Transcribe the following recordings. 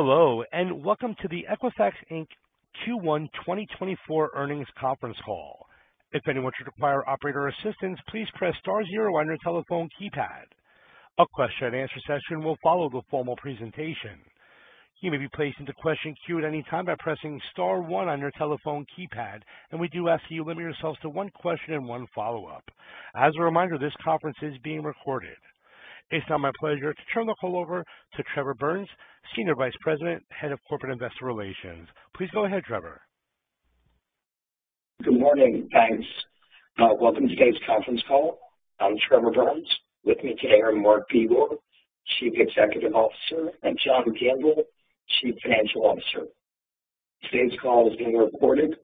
Hello and welcome to the Equifax, Inc. Q1 2024 earnings conference call. If anyone should require operator assistance, please press star zero on your telephone keypad. A question and answer session will follow the formal presentation. You may be placed into question queue at any time by pressing star one on your telephone keypad, and we do ask that you limit yourselves to one question and one follow-up. As a reminder, this conference is being recorded. It's now my pleasure to turn the call over to Trevor Burns, Senior Vice President, Head of Corporate Investor Relations. Please go ahead, Trevor. Good morning. Thanks. Welcome to today's conference call. I'm Trevor Burns. With me today are Mark Begor, Chief Executive Officer, and John Gamble, Chief Financial Officer. Today's call is being recorded,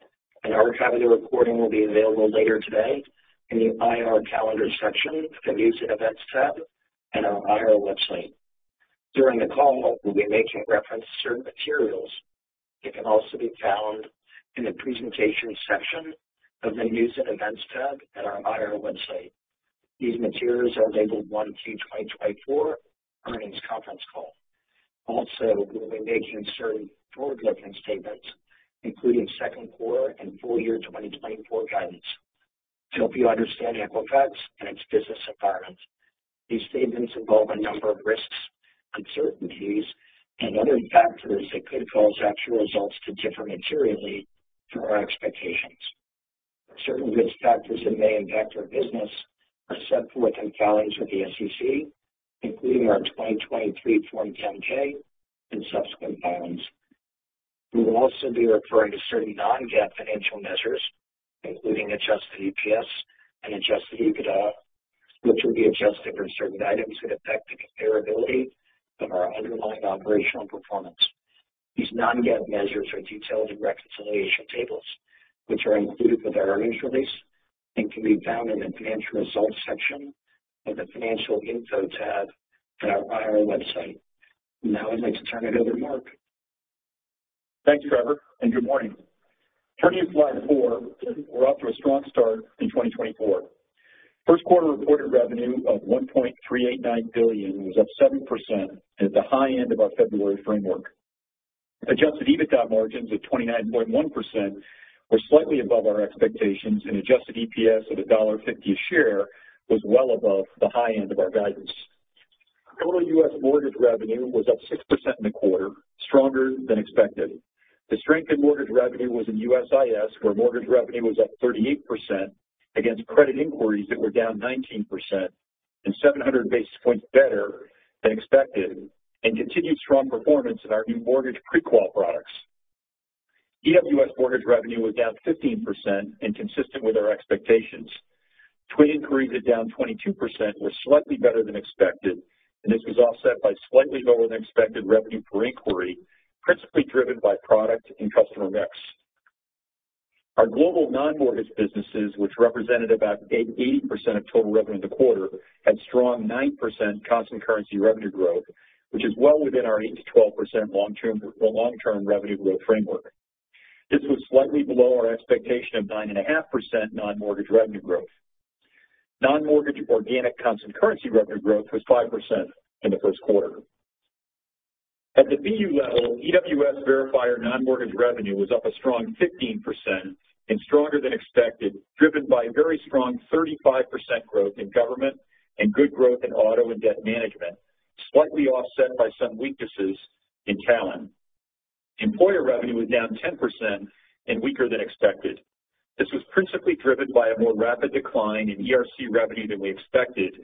and an archive of the recording will be available later today in the IR calendar section of the News and Events tab and our IR website. During the call, we'll be making reference to certain materials. They can also be found in the presentation section of the News and Events tab and our IR website. These materials are labeled 1Q2024 earnings conference call. Also, we'll be making certain forward-looking statements, including second quarter and full year 2024 guidance, to help you understand Equifax and its business environment. These statements involve a number of risks, uncertainties, and other factors that could cause actual results to differ materially from our expectations. Certain risk factors that may impact our business are set forth in filings with the SEC, including our 2023 Form 10-K and subsequent filings. We will also be referring to certain Non-GAAP financial measures, including Adjusted EPS and Adjusted EBITDA, which will be Adjusted for certain items that affect the comparability of our underlying operational performance. These Non-GAAP measures are detailed in reconciliation tables, which are included with our earnings release and can be found in the Financial Results section of the Financial Info tab and our IR website. Now I'd like to turn it over to Mark. Thanks, Trevor, and good morning. Turning to slide four, we're off to a strong start in 2024. First quarter reported revenue of $1.389 billion was up 7% at the high end of our February framework. Adjusted EBITDA margins at 29.1% were slightly above our expectations, and Adjusted EPS at $1.50 a share was well above the high end of our guidance. Total U.S. mortgage revenue was up 6% in the quarter, stronger than expected. The strength in mortgage revenue was in USIS, where mortgage revenue was up 38% against credit inquiries that were down 19% and 700 basis points better than expected, and continued strong performance in our new mortgage pre-qual products. EWS mortgage revenue was down 15% and consistent with our expectations. Twin inquiries at down 22% were slightly better than expected, and this was offset by slightly lower-than-expected revenue per inquiry, principally driven by product and customer mix. Our global non-mortgage businesses, which represented about 80% of total revenue in the quarter, had strong 9% constant currency revenue growth, which is well within our 8%-12% long-term revenue growth framework. This was slightly below our expectation of 9.5% non-mortgage revenue growth. Non-mortgage organic constant currency revenue growth was 5% in the first quarter. At the BU level, EWS verifier non-mortgage revenue was up a strong 15% and stronger than expected, driven by very strong 35% growth in Government and good growth in auto and debt management, slightly offset by some weaknesses in talent. Employer revenue was down 10% and weaker than expected. This was principally driven by a more rapid decline in ERC revenue than we expected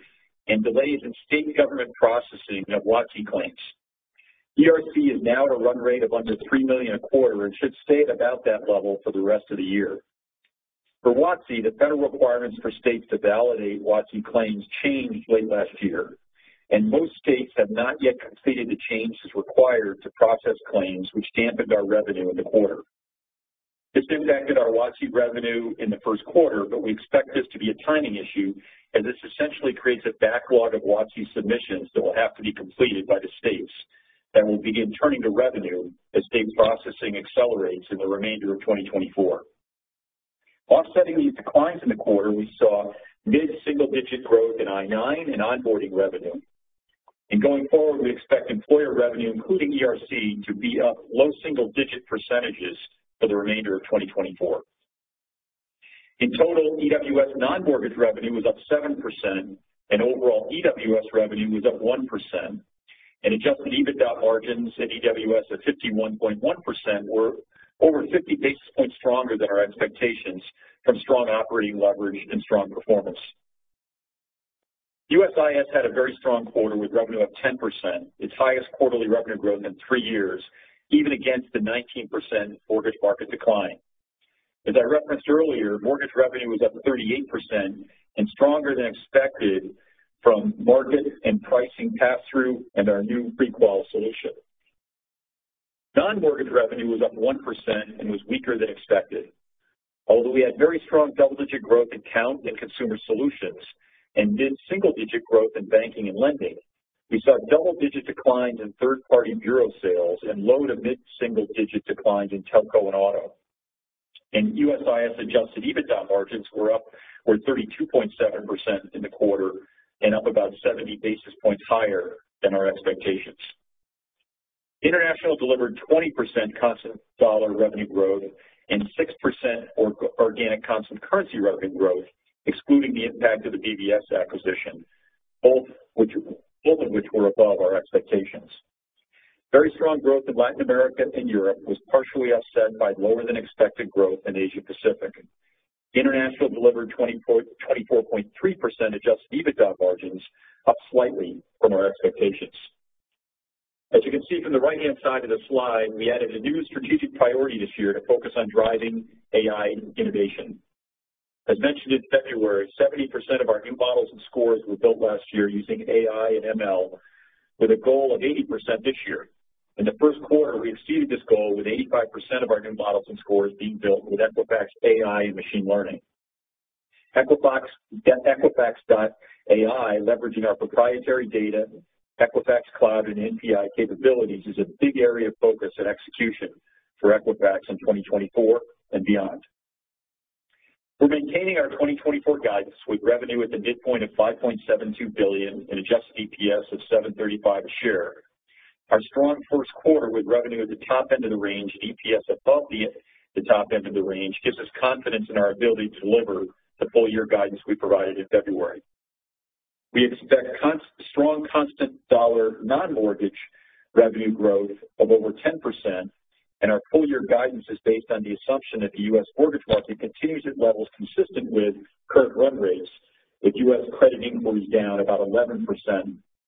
and delays in state Government processing of WOTC claims. ERC is now at a run rate of under $3 million a quarter and should stay at about that level for the rest of the year. For WOTC, the federal requirements for states to validate WOTC claims changed late last year, and most states have not yet completed the changes required to process claims, which dampened our revenue in the quarter. This impacted our WOTC revenue in the first quarter, but we expect this to be a timing issue as this essentially creates a backlog of WOTC submissions that will have to be completed by the states that will begin turning to revenue as state processing accelerates in the remainder of 2024. Offsetting these declines in the quarter, we saw mid-single-digit growth in I-9 and onboarding revenue. Going forward, we expect employer revenue, including ERC, to be up low single-digit percentages for the remainder of 2024. In total, EWS non-mortgage revenue was up 7%, and overall EWS revenue was up 1%. Adjusted EBITDA margins at EWS at 51.1% were over 50 basis points stronger than our expectations from strong operating leverage and strong performance. USIS had a very strong quarter with revenue of 10%, its highest quarterly revenue growth in three years, even against the 19% mortgage market decline. As I referenced earlier, mortgage revenue was up 38% and stronger than expected from market and pricing pass-through and our new pre-qual solution. Non-mortgage revenue was up 1% and was weaker than expected. Although we had very strong double-digit growth in account and consumer solutions and mid-single-digit growth in banking and lending, we saw double-digit declines in third-party bureau sales and low to mid-single-digit declines in telco and auto. USIS Adjusted EBITDA margins were up 32.7% in the quarter and up about 70 basis points higher than our expectations. International delivered 20% constant dollar revenue growth and 6% organic constant currency revenue growth, excluding the impact of the BVS acquisition, both of which were above our expectations. Very strong growth in Latin America and Europe was partially offset by lower-than-expected growth in Asia-Pacific. International delivered 24.3% Adjusted EBITDA margins, up slightly from our expectations. As you can see from the right-hand side of the slide, we added a new strategic priority this year to focus on driving AI innovation. As mentioned in February, 70% of our new models and scores were built last year using AI and ML, with a goal of 80% this year. In the first quarter, we exceeded this goal with 85% of our new models and scores being built with Equifax.ai and machine learning. Equifax.ai leveraging our proprietary data, Equifax Cloud, and NPI capabilities is a big area of focus and execution for Equifax in 2024 and beyond. We're maintaining our 2024 guidance with revenue at the midpoint of $5.72 billion and Adjusted EPS of $7.35 a share. Our strong first quarter with revenue at the top end of the range and EPS above the top end of the range gives us confidence in our ability to deliver the full-year guidance we provided in February. We expect strong constant dollar non-mortgage revenue growth of over 10%, and our full-year guidance is based on the assumption that the US mortgage market continues at levels consistent with current run rates, with US credit inquiries down about 11%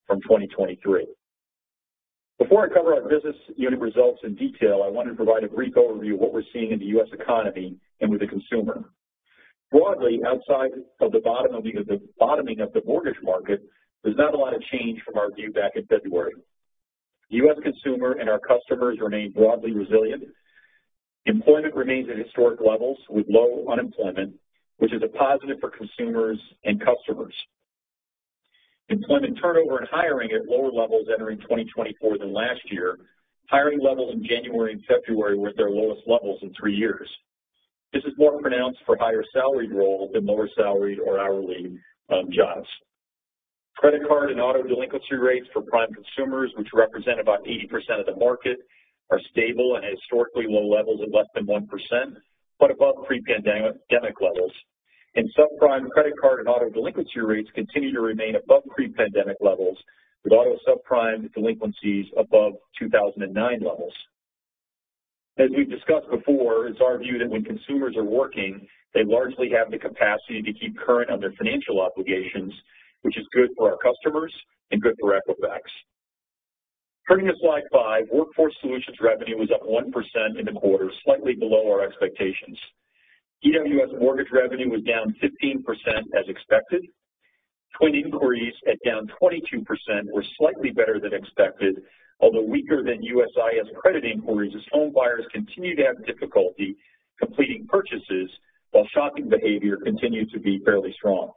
from 2023. Before I cover our business unit results in detail, I wanted to provide a brief overview of what we're seeing in the U.S. economy and with the consumer. Broadly, outside of the bottoming of the mortgage market, there's not a lot of change from our view back in February. The U.S. consumer and our customers remain broadly resilient. Employment remains at historic levels with low unemployment, which is a positive for consumers and customers. Employment turnover and hiring at lower levels entering 2024 than last year. Hiring levels in January and February were at their lowest levels in three years. This is more pronounced for higher salaried roles than lower salaried or hourly, jobs. Credit card and auto delinquency rates for prime consumers, which represent about 80% of the market, are stable at historically low levels at less than 1% but above pre-pandemic levels. Subprime credit card and auto delinquency rates continue to remain above pre-pandemic levels, with auto subprime delinquencies above 2009 levels. As we've discussed before, it's our view that when consumers are working, they largely have the capacity to keep current on their financial obligations, which is good for our customers and good for Equifax. Turning to slide five, Workforce Solutions revenue was up 1% in the quarter, slightly below our expectations. EWS mortgage revenue was down 15% as expected. Twin inquiries at down 22% were slightly better than expected, although weaker than USIS credit inquiries as home buyers continue to have difficulty completing purchases while shopping behavior continued to be fairly strong.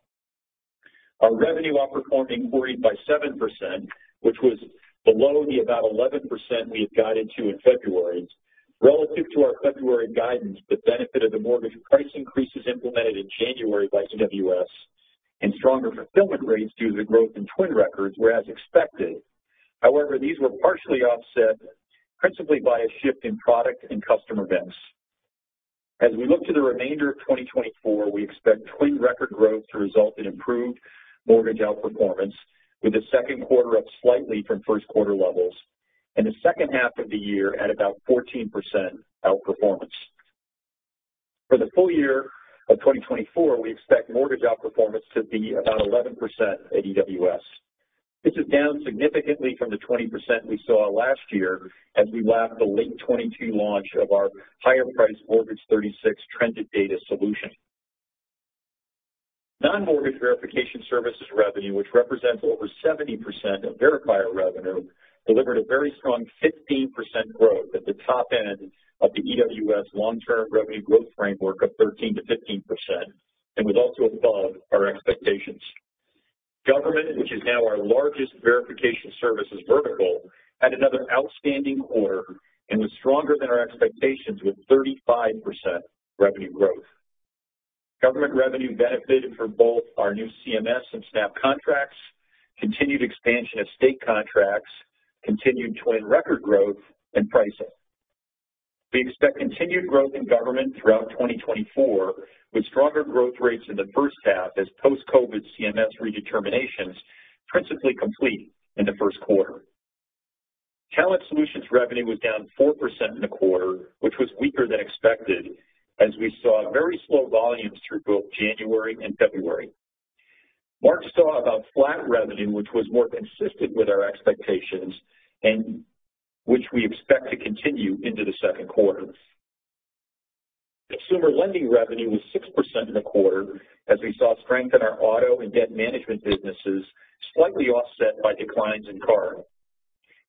Our revenue outperformed inquiries by 7%, which was below our about 11% we had guided to in February, relative to our February guidance, the benefit of the mortgage price increases implemented in January by EWS and stronger fulfillment rates due to the growth in twin records were as expected. However, these were partially offset principally by a shift in product and customer mix. As we look to the remainder of 2024, we expect twin record growth to result in improved mortgage outperformance, with the second quarter up slightly from first quarter levels and the second half of the year at about 14% outperformance. For the full year of 2024, we expect mortgage outperformance to be about 11% at EWS. This is down significantly from the 20% we saw last year as we lapped the late 2022 launch of our higher-priced Mortgage 36 Trended Data solution. Non-mortgage verification services revenue, which represents over 70% of verification revenue, delivered a very strong 15% growth at the top end of the EWS long-term revenue growth framework of 13%-15% and was also above our expectations. Government, which is now our largest verification services vertical, had another outstanding quarter and was stronger than our expectations with 35% revenue growth. Government revenue benefited from both our new CMS and SNAP contracts, continued expansion of state contracts, continued twin record growth, and pricing. We expect continued growth in government throughout 2024 with stronger growth rates in the first half as post-COVID CMS redeterminations principally complete in the first quarter. Talent Solutions revenue was down 4% in the quarter, which was weaker than expected as we saw very slow volumes through both January and February. March saw about flat revenue, which was more consistent with our expectations and which we expect to continue into the second quarter. Consumer Lending revenue was 6% in the quarter as we saw strength in our auto and debt management businesses, slightly offset by declines in Card.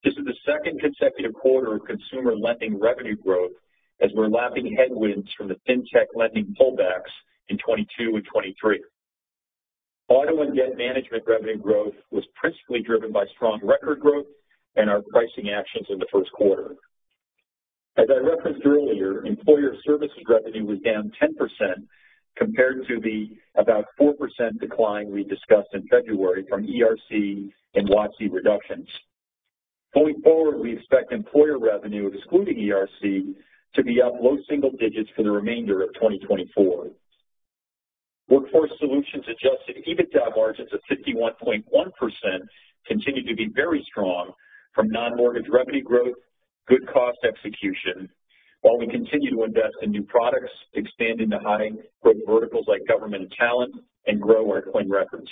This is the second consecutive quarter of Consumer Lending revenue growth as we're lapping headwinds from the fintech lending pullbacks in 2022 and 2023. Auto and debt management revenue growth was principally driven by strong record growth and our pricing actions in the first quarter. As I referenced earlier, Employer Services revenue was down 10% compared to the about 4% decline we discussed in February from ERC and WOTC reductions. Going forward, we expect employer revenue, excluding ERC, to be up low single digits for the remainder of 2024. Workforce Solutions Adjusted EBITDA margins of 51.1% continue to be very strong from non-mortgage revenue growth, good cost execution, while we continue to invest in new products, expanding to high growth verticals like government and talent, and grow our twin records.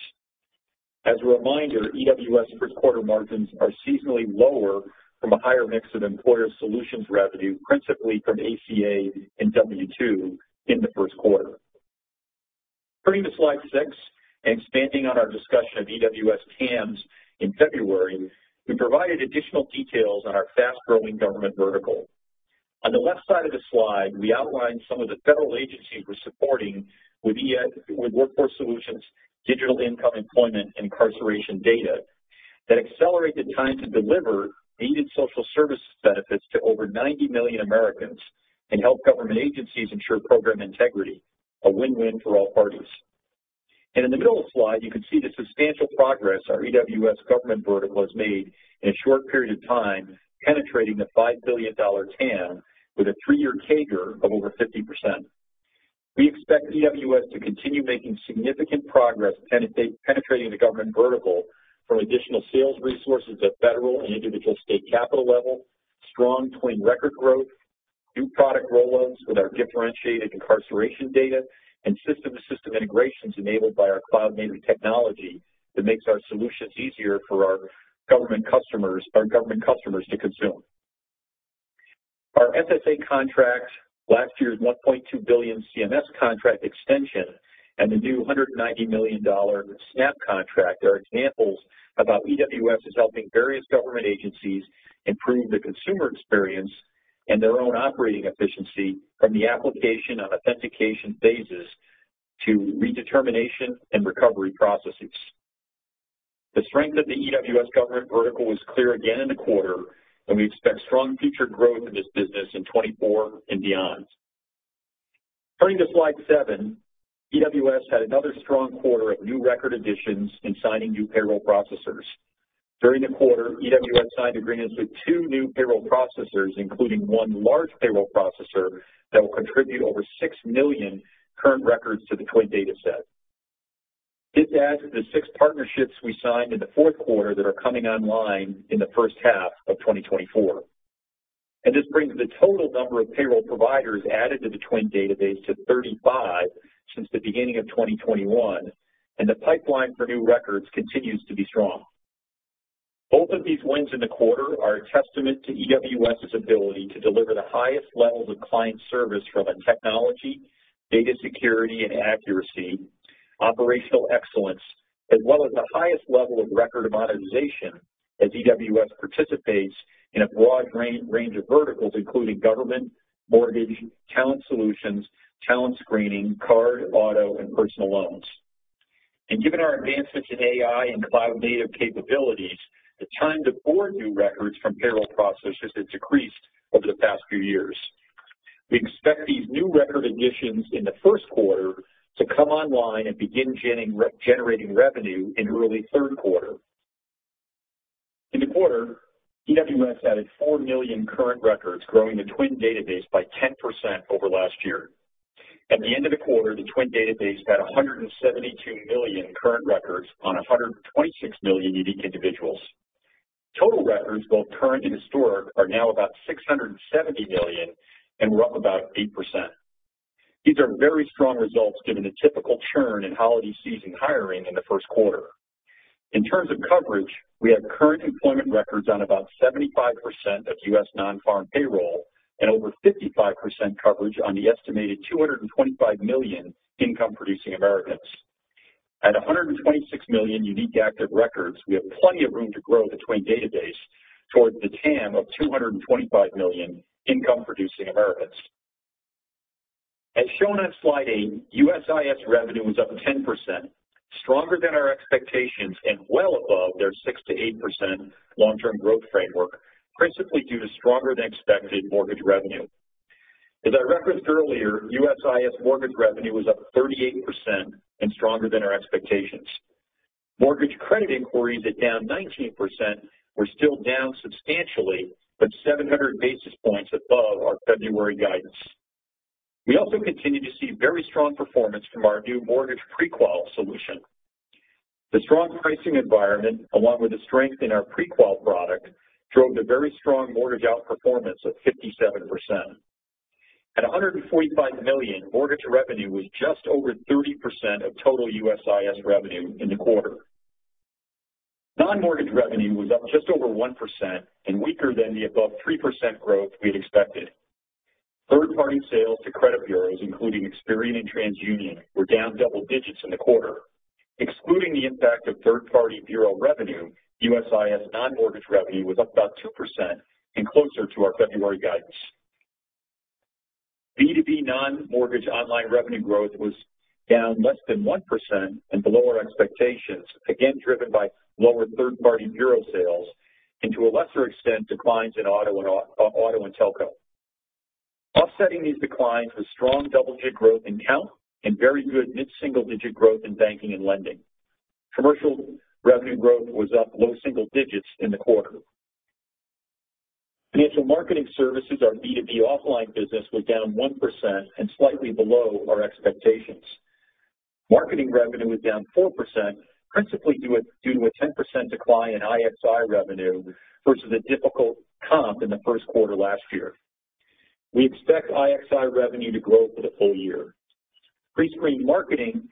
As a reminder, EWS first quarter margins are seasonally lower from a higher mix of employer solutions revenue, principally from ACA and W-2, in the first quarter. Turning to slide six and expanding on our discussion of EWS TAMS in February, we provided additional details on our fast-growing government vertical. On the left side of the slide, we outlined some of the federal agencies we're supporting with Workforce Solutions, digital income, employment, and incarceration data that accelerate the time to deliver needed social services benefits to over 90 million Americans and help government agencies ensure program integrity, a win-win for all parties. In the middle of the slide, you can see the substantial progress our EWS government vertical has made in a short period of time, penetrating the $5 billion TAM with a three-year CAGR of over 50%. We expect EWS to continue making significant progress penetrating the government vertical from additional sales resources at federal and individual state capital level, strong twin record growth, new product rollouts with our differentiated incarceration data, and system-to-system integrations enabled by our cloud-native technology that makes our solutions easier for our government customers to consume. Our SSA contract, last year's $1.2 billion CMS contract extension, and the new $190 million SNAP contract are examples of how EWS is helping various government agencies improve the consumer experience and their own operating efficiency from the application and authentication phases to redetermination and recovery processes. The strength of the EWS government vertical was clear again in the quarter, and we expect strong future growth in this business in 2024 and beyond. Turning to slide seven, EWS had another strong quarter of new record additions and signing new payroll processors. During the quarter, EWS signed agreements with two new payroll processors, including one large payroll processor that will contribute over 6 million current records to the twin data set. This adds to the six partnerships we signed in the fourth quarter that are coming online in the first half of 2024. This brings the total number of payroll providers added to the twin database to 35 since the beginning of 2021, and the pipeline for new records continues to be strong. Both of these wins in the quarter are a testament to EWS's ability to deliver the highest levels of client service from a technology, data security, and accuracy operational excellence, as well as the highest level of record amortization as EWS participates in a broad range of verticals, including government, mortgage, Talent Solutions, talent screening, card, auto, and personal loans. Given our advancements in AI and cloud-native capabilities, the time to forward new records from payroll processors has decreased over the past few years. We expect these new record additions in the first quarter to come online and begin generating revenue in early third quarter. In the quarter, EWS added 4 million current records, growing the twin database by 10% over last year. At the end of the quarter, the twin database had 172 million current records on 126 million unique individuals. Total records, both current and historic, are now about 670 million and were up about 8%. These are very strong results given the typical churn in holiday season hiring in the first quarter. In terms of coverage, we have current employment records on about 75% of U.S. non-farm payroll and over 55% coverage on the estimated 225 million income-producing Americans. At 126 million unique active records, we have plenty of room to grow the twin database towards the TAM of 225 million income-producing Americans. As shown on slide eight, USIS revenue was up 10%, stronger than our expectations, and well above their 6%-8% long-term growth framework, principally due to stronger-than-expected mortgage revenue. As I referenced earlier, USIS mortgage revenue was up 38% and stronger than our expectations. Mortgage credit inquiries at down 19% were still down substantially but 700 basis points above our February guidance. We also continue to see very strong performance from our new mortgage pre-qual solution. The strong pricing environment, along with the strength in our pre-qual product, drove the very strong mortgage outperformance of 57%. At $145 million, mortgage revenue was just over 30% of total USIS revenue in the quarter. Non-mortgage revenue was up just over 1% and weaker than the above 3% growth we had expected. Third-party sales to credit bureaus, including Experian and TransUnion, were down double digits in the quarter. Excluding the impact of third-party bureau revenue, USIS non-mortgage revenue was up about 2% and closer to our February guidance. B2B non-mortgage online revenue growth was down less than 1% and below our expectations, again driven by lower third-party bureau sales. To a lesser extent, declines in auto and telco. Offsetting these declines was strong double-digit growth in count and very good mid-single-digit growth in banking and lending. Commercial revenue growth was up low single digits in the quarter. Financial Marketing Services, our B2B offline business, was down 1% and slightly below our expectations. Marketing revenue was down 4%, principally due to a 10% decline in IXI revenue versus a difficult comp in the first quarter last year. We expect IXI revenue to grow for the full year. Pre-screen marketing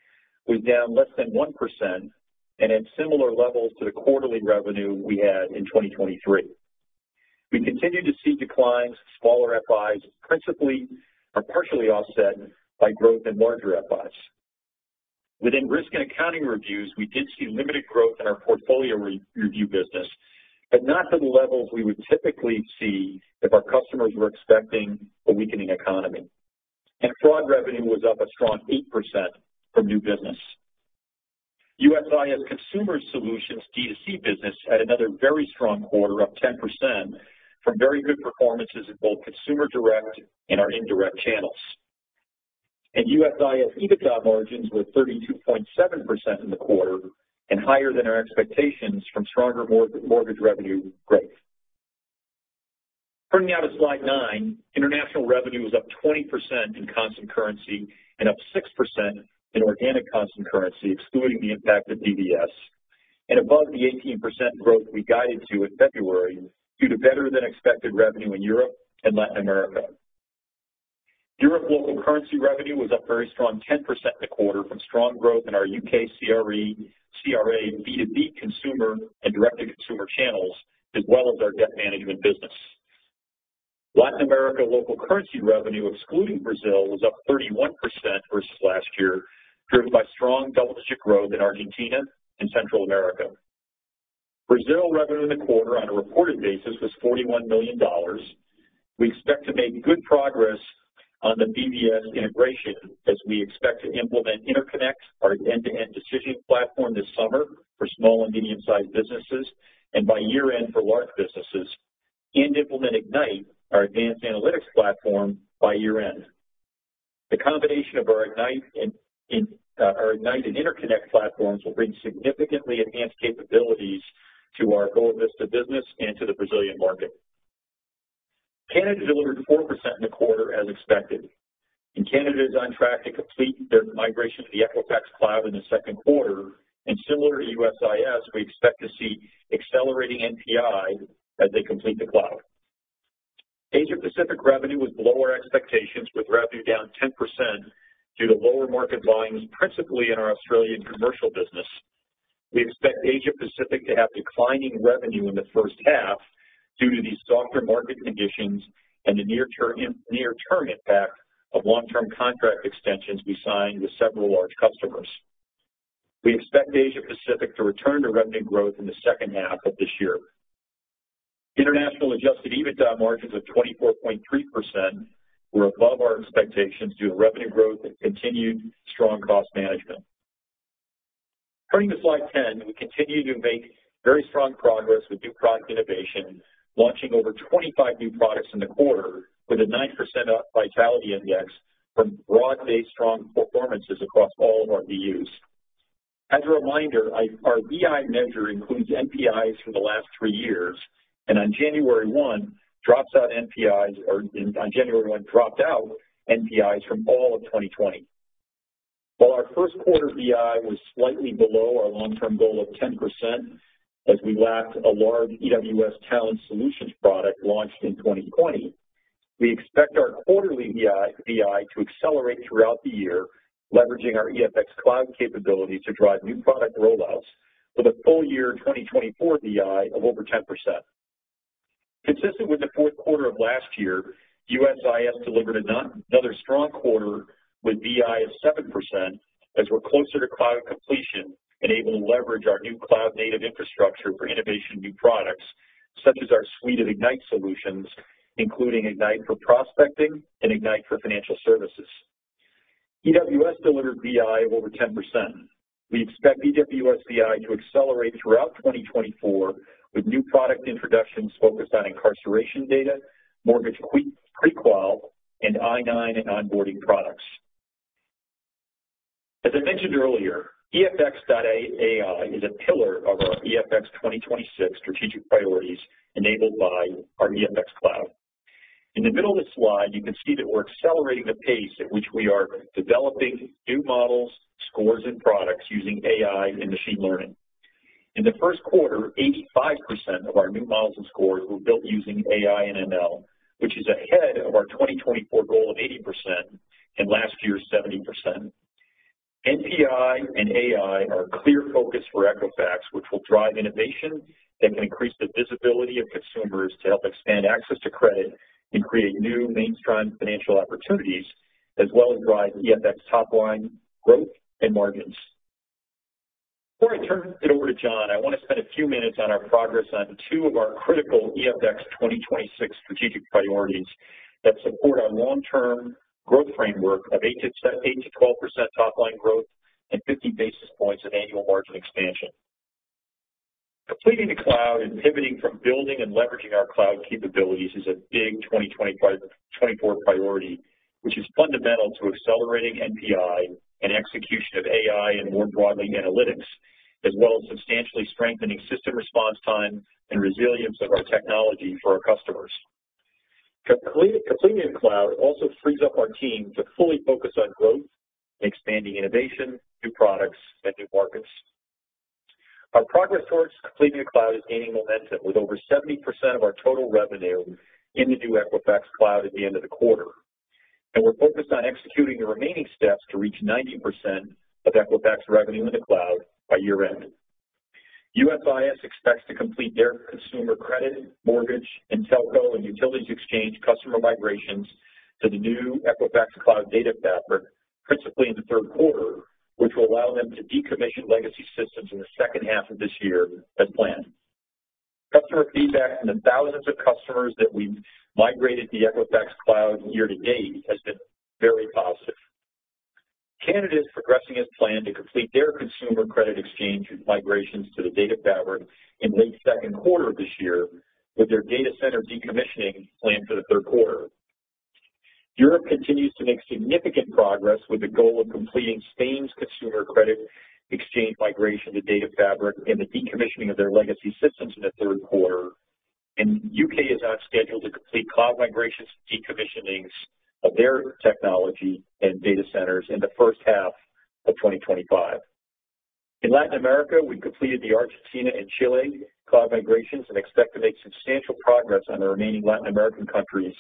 was down less than 1% and at similar levels to the quarterly revenue we had in 2023. We continue to see declines, smaller FIs principally or partially offset by growth in larger FIs. Within risk and accounting reviews, we did see limited growth in our portfolio review business, but not to the levels we would typically see if our customers were expecting a weakening economy. Fraud revenue was up a strong 8% from new business. USIS consumer solutions D2C business had another very strong quarter, up 10%, from very good performances in both consumer direct and our indirect channels. USIS EBITDA margins were 32.7% in the quarter and higher than our expectations from stronger mortgage revenue growth. Turning now to slide nine, international revenue was up 20% in constant currency and up 6% in organic constant currency, excluding the impact of DVS. And above the 18% growth we guided to in February due to better-than-expected revenue in Europe and Latin America. Europe local currency revenue was up very strong 10% in the quarter from strong growth in our UK CRA, B2B consumer, and direct-to-consumer channels, as well as our debt management business. Latin America local currency revenue, excluding Brazil, was up 31% versus last year, driven by strong double-digit growth in Argentina and Central America. Brazil revenue in the quarter on a reported basis was $41 million. We expect to make good progress on the BVS integration as we expect to implement InterConnect, our end-to-end decisioning platform this summer for small and medium-sized businesses, and by year-end for large businesses, and implement Ignite, our advanced analytics platform, by year-end. The combination of our Ignite and InterConnect platforms will bring significantly advanced capabilities to our goal of this business and to the Brazilian market. Canada delivered 4% in the quarter as expected. Canada is on track to complete their migration to the Equifax Cloud in the second quarter. Similar to USIS, we expect to see accelerating NPI as they complete the cloud. Asia-Pacific revenue was below our expectations, with revenue down 10% due to lower market volumes, principally in our Australian commercial business. We expect Asia-Pacific to have declining revenue in the first half due to these softer market conditions and the near-term impact of long-term contract extensions we signed with several large customers. We expect Asia-Pacific to return to revenue growth in the second half of this year. International Adjusted EBITDA margins of 24.3% were above our expectations due to revenue growth and continued strong cost management. Turning to slide 10, we continue to make very strong progress with new product innovation, launching over 25 new products in the quarter with a 9% up Vitality Index from broad-based strong performances across all of our VUs. As a reminder, our BI measure includes NPIs from the last three years, and on January 1, drops out NPIs or on January 1, dropped out NPIs from all of 2020. While our first quarter BI was slightly below our long-term goal of 10% as we lacked a large EWS Talent Solutions product launched in 2020, we expect our quarterly BI to accelerate throughout the year, leveraging our EFX cloud capabilities to drive new product rollouts with a full-year 2024 BI of over 10%. Consistent with the fourth quarter of last year, USIS delivered another strong quarter with BI of 7% as we're closer to cloud completion and able to leverage our new cloud-native infrastructure for innovation and new products, such as our suite of Ignite solutions, including Ignite for Prospecting and Ignite for Financial Services. EWS delivered BI of over 10%. We expect EWS BI to accelerate throughout 2024 with new product introductions focused on incarceration data, mortgage pre-qual, and I-9 and onboarding products. As I mentioned earlier, EFX.AI is a pillar of our EFX 2026 strategic priorities enabled by our EFX cloud. In the middle of the slide, you can see that we're accelerating the pace at which we are developing new models, scores, and products using AI and machine learning. In the first quarter, 85% of our new models and scores were built using AI and ML, which is ahead of our 2024 goal of 80% and last year's 70%. NPI and AI are a clear focus for Equifax, which will drive innovation that can increase the visibility of consumers to help expand access to credit and create new mainstream financial opportunities, as well as drive EFX topline growth and margins. Before I turn it over to John, I want to spend a few minutes on our progress on two of our critical EFX 2026 strategic priorities that support our long-term growth framework of 8%-12% topline growth and 50 basis points of annual margin expansion. Completing the cloud and pivoting from building and leveraging our cloud capabilities is a big 2024 priority, which is fundamental to accelerating NPI and execution of AI and more broadly analytics, as well as substantially strengthening system response time and resilience of our technology for our customers. Completing the cloud also frees up our team to fully focus on growth, expanding innovation, new products, and new markets. Our progress towards completing the cloud is gaining momentum, with over 70% of our total revenue in the new Equifax cloud at the end of the quarter. We're focused on executing the remaining steps to reach 90% of Equifax revenue in the cloud by year-end. USIS expects to complete their consumer credit, mortgage, and telco and utilities exchange customer migrations to the new Equifax Cloud Data Fabric, principally in the third quarter, which will allow them to decommission legacy systems in the second half of this year as planned. Customer feedback from the thousands of customers that we've migrated the Equifax Cloud year to date has been very positive. Canada is progressing as planned to complete their consumer credit exchange migrations to the Data Fabric in late second quarter of this year, with their data center decommissioning planned for the third quarter. Europe continues to make significant progress with the goal of completing Spain's consumer credit exchange migration to Data Fabric and the decommissioning of their legacy systems in the third quarter. U.K. is on schedule to complete cloud migrations and decommissionings of their technology and data centers in the first half of 2025. In Latin America, we completed the Argentina and Chile cloud migrations and expect to make substantial progress on the remaining Latin American countries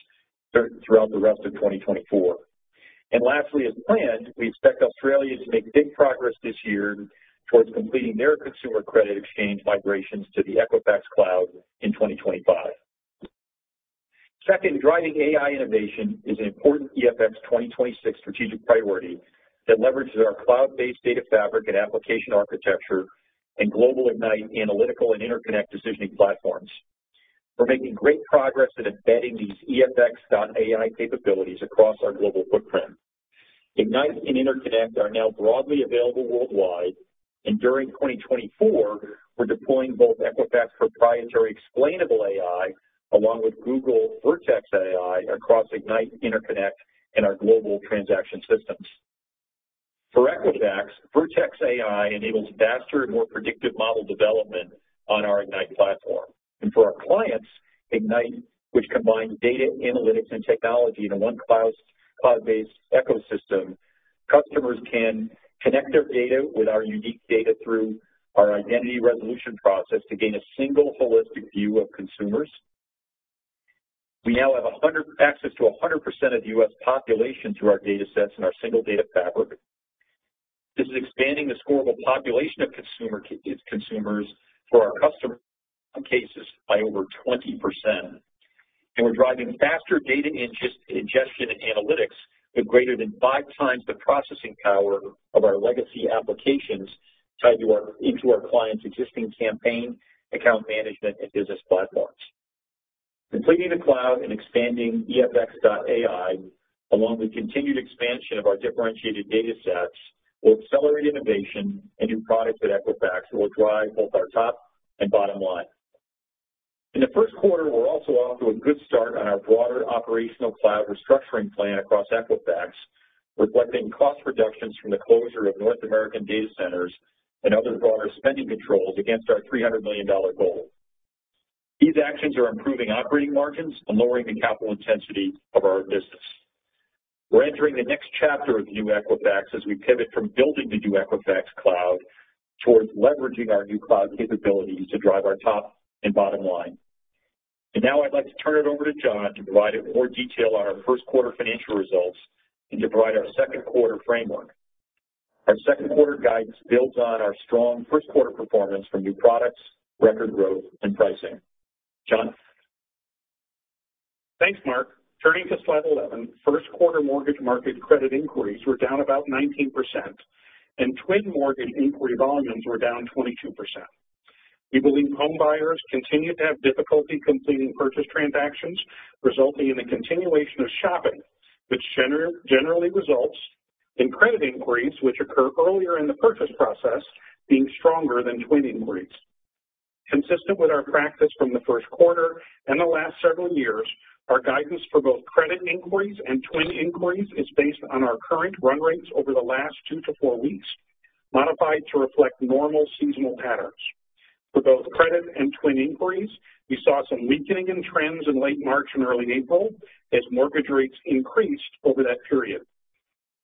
throughout the rest of 2024. And lastly, as planned, we expect Australia to make big progress this year towards completing their consumer credit exchange migrations to the Equifax Cloud in 2025. Second, driving AI innovation is an important EFX 2026 strategic priority that leverages our cloud-based data fabric and application architecture and global Ignite analytical and InterConnect decisioning platforms. We're making great progress at embedding these EFX.AI capabilities across our global footprint. Ignite and InterConnect are now broadly available worldwide. During 2024, we're deploying both Equifax proprietary explainable AI along with Google Vertex AI across Ignite, InterConnect, and our global transaction systems. For Equifax, Vertex AI enables faster and more predictive model development on our Ignite platform. For our clients, Ignite, which combines data, analytics, and technology in a one cloud-based ecosystem, customers can connect their data with our unique data through our identity resolution process to gain a single holistic view of consumers. We now have access to 100% of the U.S. population through our data sets and our single data fabric. This is expanding the scorable population of consumers for our customer cases by over 20%. We're driving faster data ingestion and analytics with greater than five times the processing power of our legacy applications tied into our clients' existing campaign, account management, and business platforms. Completing the cloud and expanding EFX.AI along with continued expansion of our differentiated data sets will accelerate innovation and new products at Equifax that will drive both our top and bottom line. In the first quarter, we're also off to a good start on our broader operational cloud restructuring plan across Equifax, reflecting cost reductions from the closure of North American data centers and other broader spending controls against our $300 million goal. These actions are improving operating margins and lowering the capital intensity of our business. We're entering the next chapter of the new Equifax as we pivot from building the new Equifax cloud towards leveraging our new cloud capabilities to drive our top and bottom line. Now I'd like to turn it over to John to provide more detail on our first quarter financial results and to provide our second quarter framework. Our second quarter guides builds on our strong first quarter performance from new products, record growth, and pricing. John. Thanks, Mark. Turning to slide 11, first quarter mortgage market credit inquiries were down about 19%, and twin mortgage inquiry volumes were down 22%. We believe homebuyers continue to have difficulty completing purchase transactions, resulting in a continuation of shopping, which generally results in credit inquiries, which occur earlier in the purchase process, being stronger than twin inquiries. Consistent with our practice from the first quarter and the last several years, our guidance for both credit inquiries and twin inquiries is based on our current run rates over the last 2 to 4 weeks, modified to reflect normal seasonal patterns. For both credit and twin inquiries, we saw some weakening in trends in late March and early April as mortgage rates increased over that period.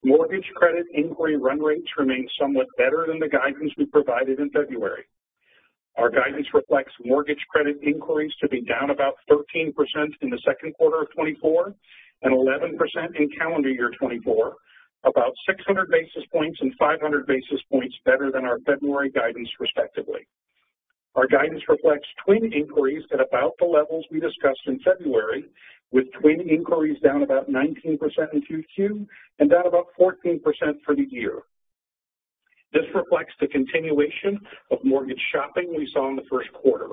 Mortgage credit inquiry run rates remain somewhat better than the guidance we provided in February. Our guidance reflects mortgage credit inquiries to be down about 13% in the second quarter of 2024 and 11% in calendar year 2024, about 600 basis points and 500 basis points better than our February guidance, respectively. Our guidance reflects twin inquiries at about the levels we discussed in February, with twin inquiries down about 19% in QQ and down about 14% for the year. This reflects the continuation of mortgage shopping we saw in the first quarter.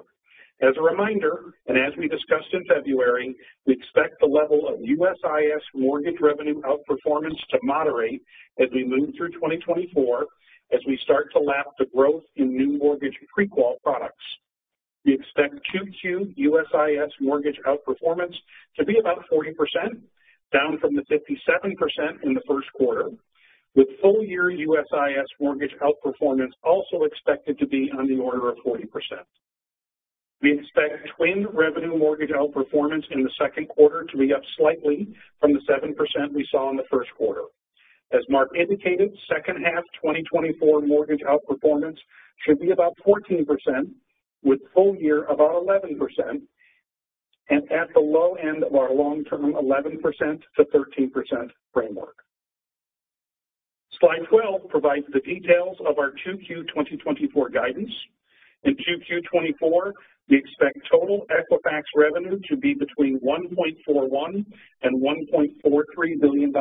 As a reminder, and as we discussed in February, we expect the level of USIS mortgage revenue outperformance to moderate as we move through 2024, as we start to lap the growth in new mortgage pre-qual products. We expect QQ USIS mortgage outperformance to be about 40%, down from the 57% in the first quarter, with full-year USIS mortgage outperformance also expected to be on the order of 40%. We expect twin revenue mortgage outperformance in the second quarter to be up slightly from the 7% we saw in the first quarter. As Mark indicated, second half 2024 mortgage outperformance should be about 14%, with full-year about 11%, and at the low end of our long-term 11%-13% framework. Slide 12 provides the details of our Q2 2024 guidance. In Q2 2024, we expect total Equifax revenue to be between $1.41-$1.43 billion,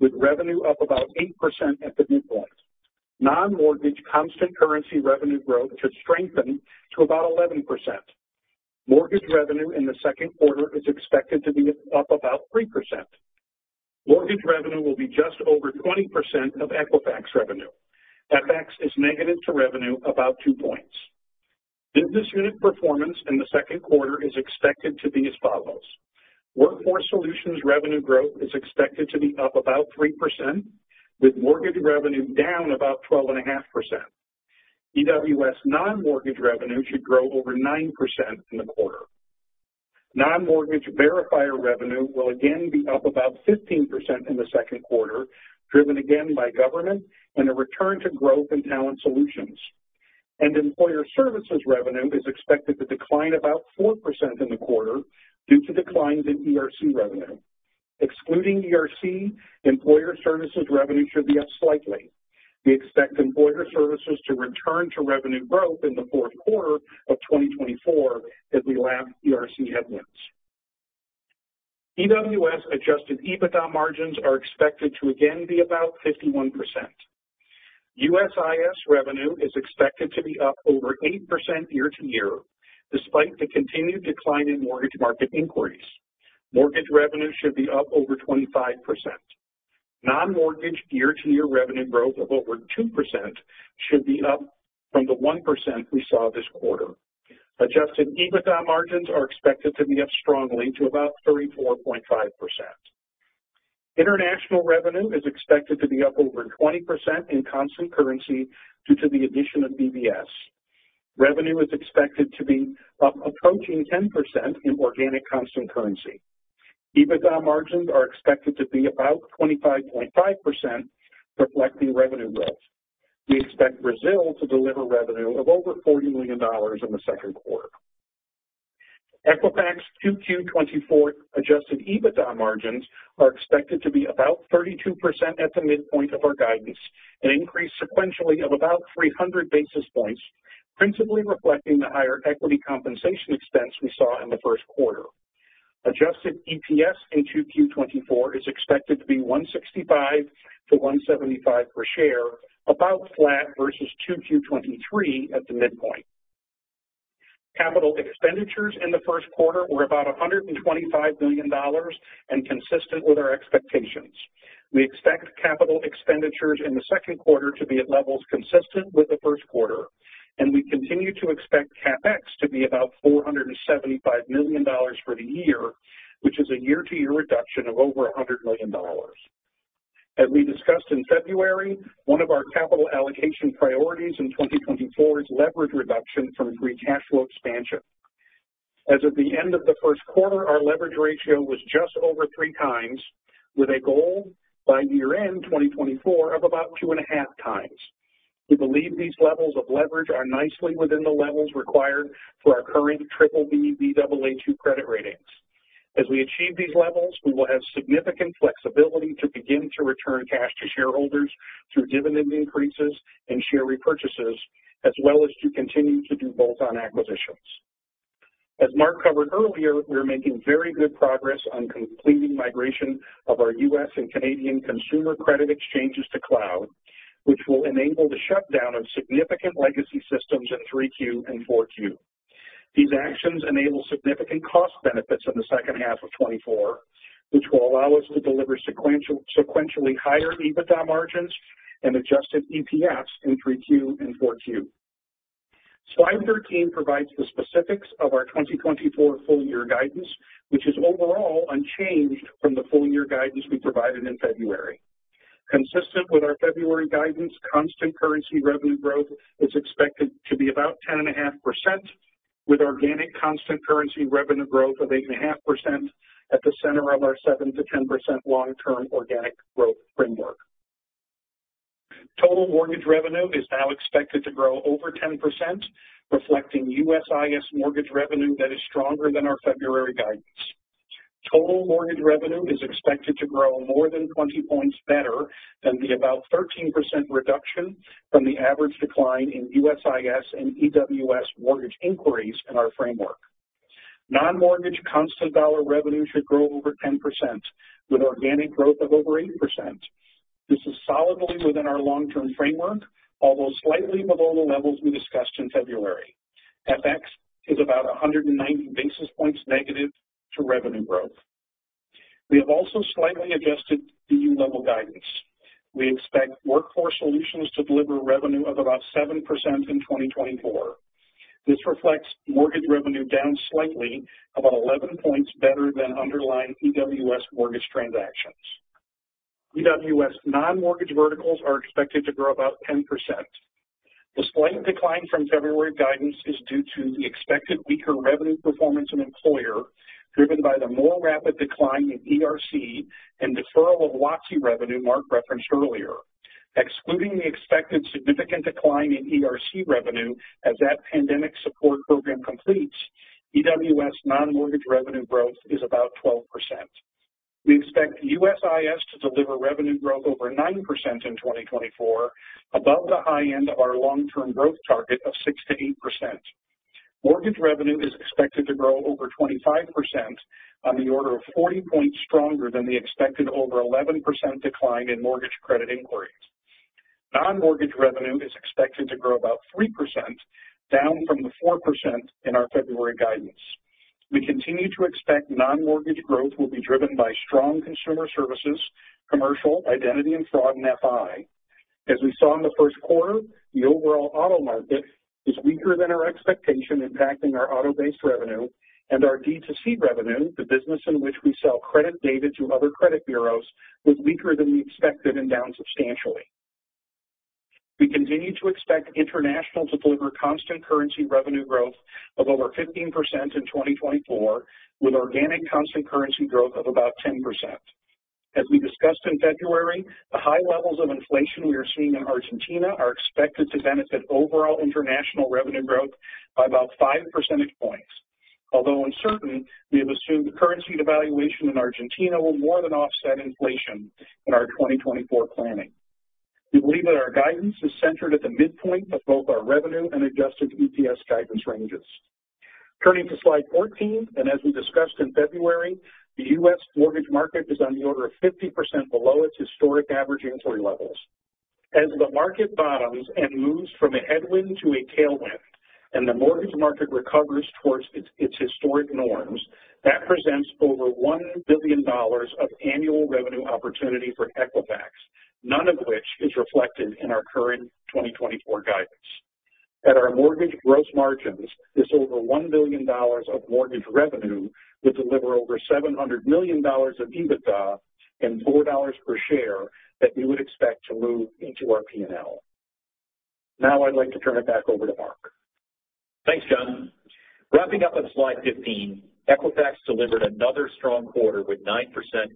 with revenue up about 8% at the midpoint. Non-mortgage constant currency revenue growth should strengthen to about 11%. Mortgage revenue in the second quarter is expected to be up about 3%. Mortgage revenue will be just over 20% of Equifax revenue. FX is negative to revenue about 2 points. Business unit performance in the second quarter is expected to be as follows. Workforce Solutions revenue growth is expected to be up about 3%, with mortgage revenue down about 12.5%. EWS non-mortgage revenue should grow over 9% in the quarter. Non-mortgage verifier revenue will again be up about 15% in the second quarter, driven again by government and a return to growth and Talent Solutions. Employer services revenue is expected to decline about 4% in the quarter due to declines in ERC revenue. Excluding ERC, employer services revenue should be up slightly. We expect employer services to return to revenue growth in the fourth quarter of 2024 as we lap ERC headwinds. EWS Adjusted EBITDA margins are expected to again be about 51%. USIS revenue is expected to be up over 8% year-over-year, despite the continued decline in mortgage market inquiries. Mortgage revenue should be up over 25%. Non-mortgage year-to-year revenue growth of over 2% should be up from the 1% we saw this quarter. Adjusted EBITDA margins are expected to be up strongly to about 34.5%. International revenue is expected to be up over 20% in constant currency due to the addition of BVS. Revenue is expected to be up approaching 10% in organic constant currency. EBITDA margins are expected to be about 25.5%, reflecting revenue growth. We expect Brazil to deliver revenue of over $40 million in the second quarter. Equifax Q2 2024 Adjusted EBITDA margins are expected to be about 32% at the midpoint of our guidance, an increase sequentially of about 300 basis points, principally reflecting the higher equity compensation expense we saw in the first quarter. Adjusted EPS in Q2 2024 is expected to be 165-175 per share, about flat versus Q2 2023 at the midpoint. Capital expenditures in the first quarter were about $125 million and consistent with our expectations. We expect capital expenditures in the second quarter to be at levels consistent with the first quarter. We continue to expect CapEx to be about $475 million for the year, which is a year-to-year reduction of over $100 million. As we discussed in February, one of our capital allocation priorities in 2024 is leverage reduction from free cash flow expansion. As of the end of the first quarter, our leverage ratio was just over three times, with a goal by year-end 2024 of about two and a half times. We believe these levels of leverage are nicely within the levels required for our current BBB / Baa2 credit ratings. As we achieve these levels, we will have significant flexibility to begin to return cash to shareholders through dividend increases and share repurchases, as well as to continue to do bolt-on acquisitions. As Mark covered earlier, we're making very good progress on completing migration of our U.S. and Canadian consumer credit exchanges to cloud, which will enable the shutdown of significant legacy systems in 3Q and 4Q. These actions enable significant cost benefits in the second half of 2024, which will allow us to deliver sequentially higher EBITDA margins and Adjusted EPS in 3Q and 4Q. Slide 13 provides the specifics of our 2024 full-year guidance, which is overall unchanged from the full-year guidance we provided in February. Consistent with our February guidance, constant currency revenue growth is expected to be about 10.5%, with organic constant currency revenue growth of 8.5% at the center of our 7%-10% long-term organic growth framework. Total mortgage revenue is now expected to grow over 10%, reflecting USIS mortgage revenue that is stronger than our February guidance. Total mortgage revenue is expected to grow more than 20 points better than the about 13% reduction from the average decline in USIS and EWS mortgage inquiries in our framework. Non-mortgage constant dollar revenue should grow over 10%, with organic growth of over 8%. This is solidly within our long-term framework, although slightly below the levels we discussed in February. FX is about 190 basis points negative to revenue growth. We have also slightly Adjusted DU level guidance. We expect Workforce Solutions to deliver revenue of about 7% in 2024. This reflects mortgage revenue down slightly, about 11 points better than underlying EWS mortgage transactions. EWS non-mortgage verticals are expected to grow about 10%. The slight decline from February guidance is due to the expected weaker revenue performance of employer, driven by the more rapid decline in ERC and deferral of WOTC revenue Mark referenced earlier. Excluding the expected significant decline in ERC revenue as that pandemic support program completes, EWS non-mortgage revenue growth is about 12%. We expect USIS to deliver revenue growth over 9% in 2024, above the high end of our long-term growth target of 6%-8%. Mortgage revenue is expected to grow over 25%, on the order of 40 points stronger than the expected over 11% decline in mortgage credit inquiries. Non-mortgage revenue is expected to grow about 3%, down from the 4% in our February guidance. We continue to expect non-mortgage growth will be driven by strong consumer services, commercial, identity, and fraud in FI. As we saw in the first quarter, the overall auto market is weaker than our expectation, impacting our auto-based revenue. Our D2C revenue, the business in which we sell credit data to other credit bureaus, was weaker than we expected and down substantially. We continue to expect international to deliver constant currency revenue growth of over 15% in 2024, with organic constant currency growth of about 10%. As we discussed in February, the high levels of inflation we are seeing in Argentina are expected to benefit overall international revenue growth by about five percentage points, although uncertain, we have assumed currency devaluation in Argentina will more than offset inflation in our 2024 planning. We believe that our guidance is centered at the midpoint of both our revenue and Adjusted EPS guidance ranges. Turning to slide 14, and as we discussed in February, the U.S. mortgage market is on the order of 50% below its historic average inquiry levels. As the market bottoms and moves from a headwind to a tailwind, and the mortgage market recovers towards its historic norms, that presents over $1 billion of annual revenue opportunity for Equifax, none of which is reflected in our current 2024 guidance. At our mortgage gross margins, this over $1 billion of mortgage revenue would deliver over $700 million of EBITDA and $4 per share that we would expect to move into our P&L. Now I'd like to turn it back over to Mark. Thanks, John. Wrapping up on slide 15, Equifax delivered another strong quarter with 9%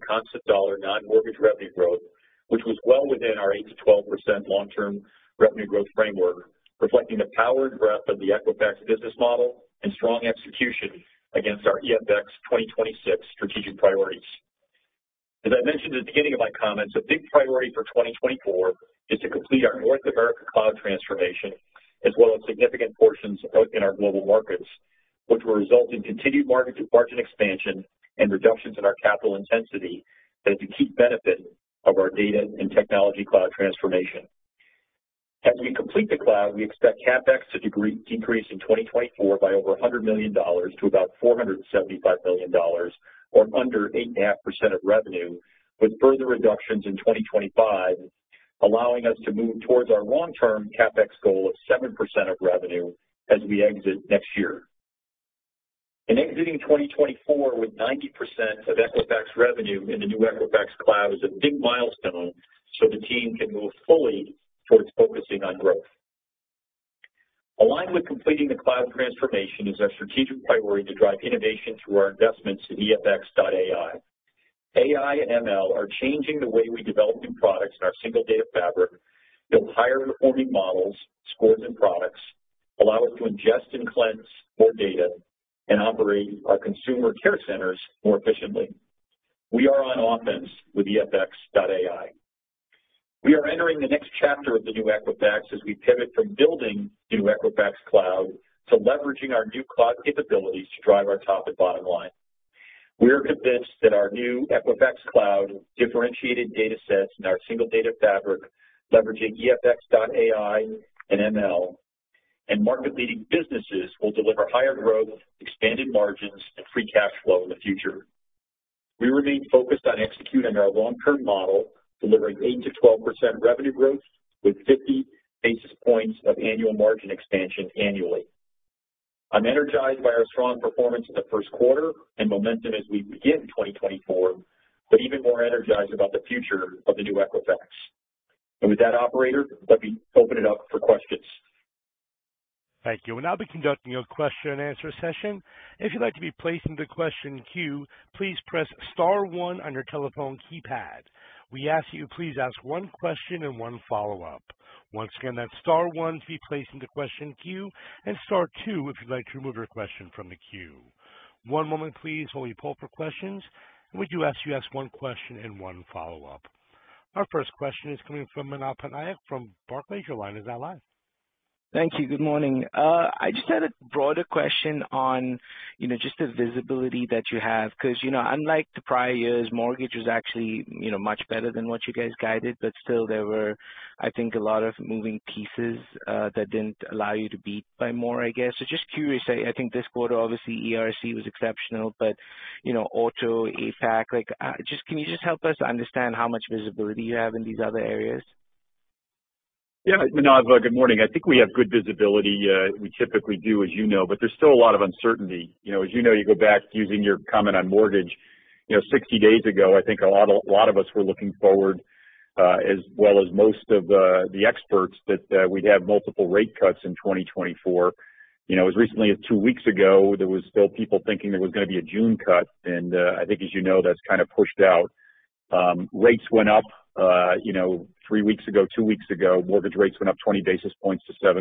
constant dollar non-mortgage revenue growth, which was well within our 8%-12% long-term revenue growth framework, reflecting the power and breadth of the Equifax business model and strong execution against our EFX 2026 strategic priorities. As I mentioned at the beginning of my comments, a big priority for 2024 is to complete our North America cloud transformation, as well as significant portions in our global markets, which will result in continued margin expansion and reductions in our capital intensity that is a key benefit of our data and technology cloud transformation. As we complete the cloud, we expect CapEx to decrease in 2024 by over $100 million to about $475 million, or under 8.5% of revenue, with further reductions in 2025 allowing us to move towards our long-term CapEx goal of 7% of revenue as we exit next year. In exiting 2024 with 90% of Equifax revenue in the new Equifax Cloud is a big milestone so the team can move fully towards focusing on growth. Aligned with completing the cloud transformation is our strategic priority to drive innovation through our investments in EFX.AI. AI and ML are changing the way we develop new products in our single data fabric, build higher-performing models, scores, and products, allow us to ingest and cleanse more data, and operate our consumer care centers more efficiently. We are on offense with EFX.AI. We are entering the next chapter of the new Equifax as we pivot from building the new Equifax cloud to leveraging our new cloud capabilities to drive our top-and-bottom line. We are convinced that our new Equifax cloud, differentiated data sets in our single data fabric, leveraging EFX.AI and ML, and market-leading businesses will deliver higher growth, expanded margins, and free cash flow in the future. We remain focused on executing our long-term model, delivering 8%-12% revenue growth with 50 basis points of annual margin expansion annually. I'm energized by our strong performance in the first quarter and momentum as we begin 2024, but even more energized about the future of the new Equifax. With that, operator, let me open it up for questions. Thank you. We'll now be conducting a question-and-answer session. If you'd like to be placed into question queue, please press star one on your telephone keypad. We ask you to please ask one question and one follow-up. Once again, that's star one to be placed into question queue and star two if you'd like to remove your question from the queue. One moment, please, while we pull for questions. We do ask you to ask one question and one follow-up. Our first question is coming from Manav Patnaik from Barclays. Your line is now live. Thank you. Good morning. I just had a broader question on just the visibility that you have, because unlike the prior years, mortgage was actually much better than what you guys guided. But still, there were, I think, a lot of moving pieces that didn't allow you to beat by more, I guess. So just curious, I think this quarter, obviously, ERC was exceptional, but auto, APAC. Can you just help us understand how much visibility you have in these other areas? Yeah. Manav, good morning. I think we have good visibility. We typically do, as you know, but there's still a lot of uncertainty. As you know, you go back using your comment on mortgage, 60 days ago, I think a lot of us were looking forward, as well as most of the experts, that we'd have multiple rate cuts in 2024. As recently as two weeks ago, there were still people thinking there was going to be a June cut. And I think, as you know, that's kind of pushed out. Rates went up three weeks ago, two weeks ago. Mortgage rates went up 20 basis points to 7%.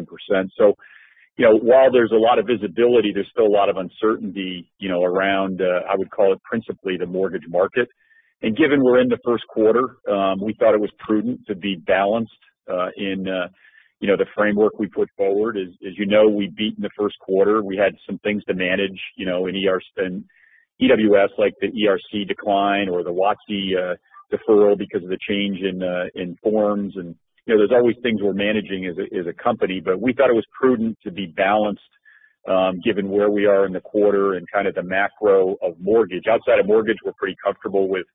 So while there's a lot of visibility, there's still a lot of uncertainty around, I would call it principally, the mortgage market. Given we're in the first quarter, we thought it was prudent to be balanced in the framework we put forward. As you know, we beat in the first quarter. We had some things to manage in EWS, like the ERC decline or the WOTC deferral because of the change in forms. There's always things we're managing as a company, but we thought it was prudent to be balanced given where we are in the quarter and kind of the macro of mortgage. Outside of mortgage, we're pretty comfortable with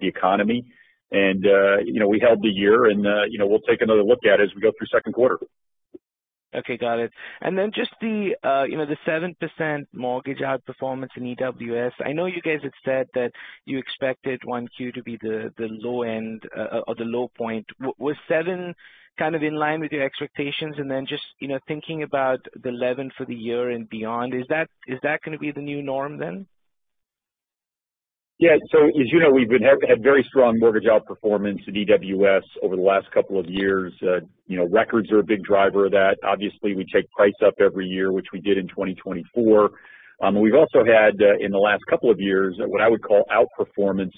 the economy. We held the year, and we'll take another look at it as we go through second quarter. Okay. Got it. And then just the 7% mortgage outperformance in EWS, I know you guys had said that you expected Q1 to be the low end or the low point. Was 7% kind of in line with your expectations? And then just thinking about the 11% for the year and beyond, is that going to be the new norm then? Yeah. So as you know, we've had very strong mortgage outperformance in EWS over the last couple of years. Records are a big driver of that. Obviously, we take price up every year, which we did in 2024. But we've also had, in the last couple of years, what I would call outperformance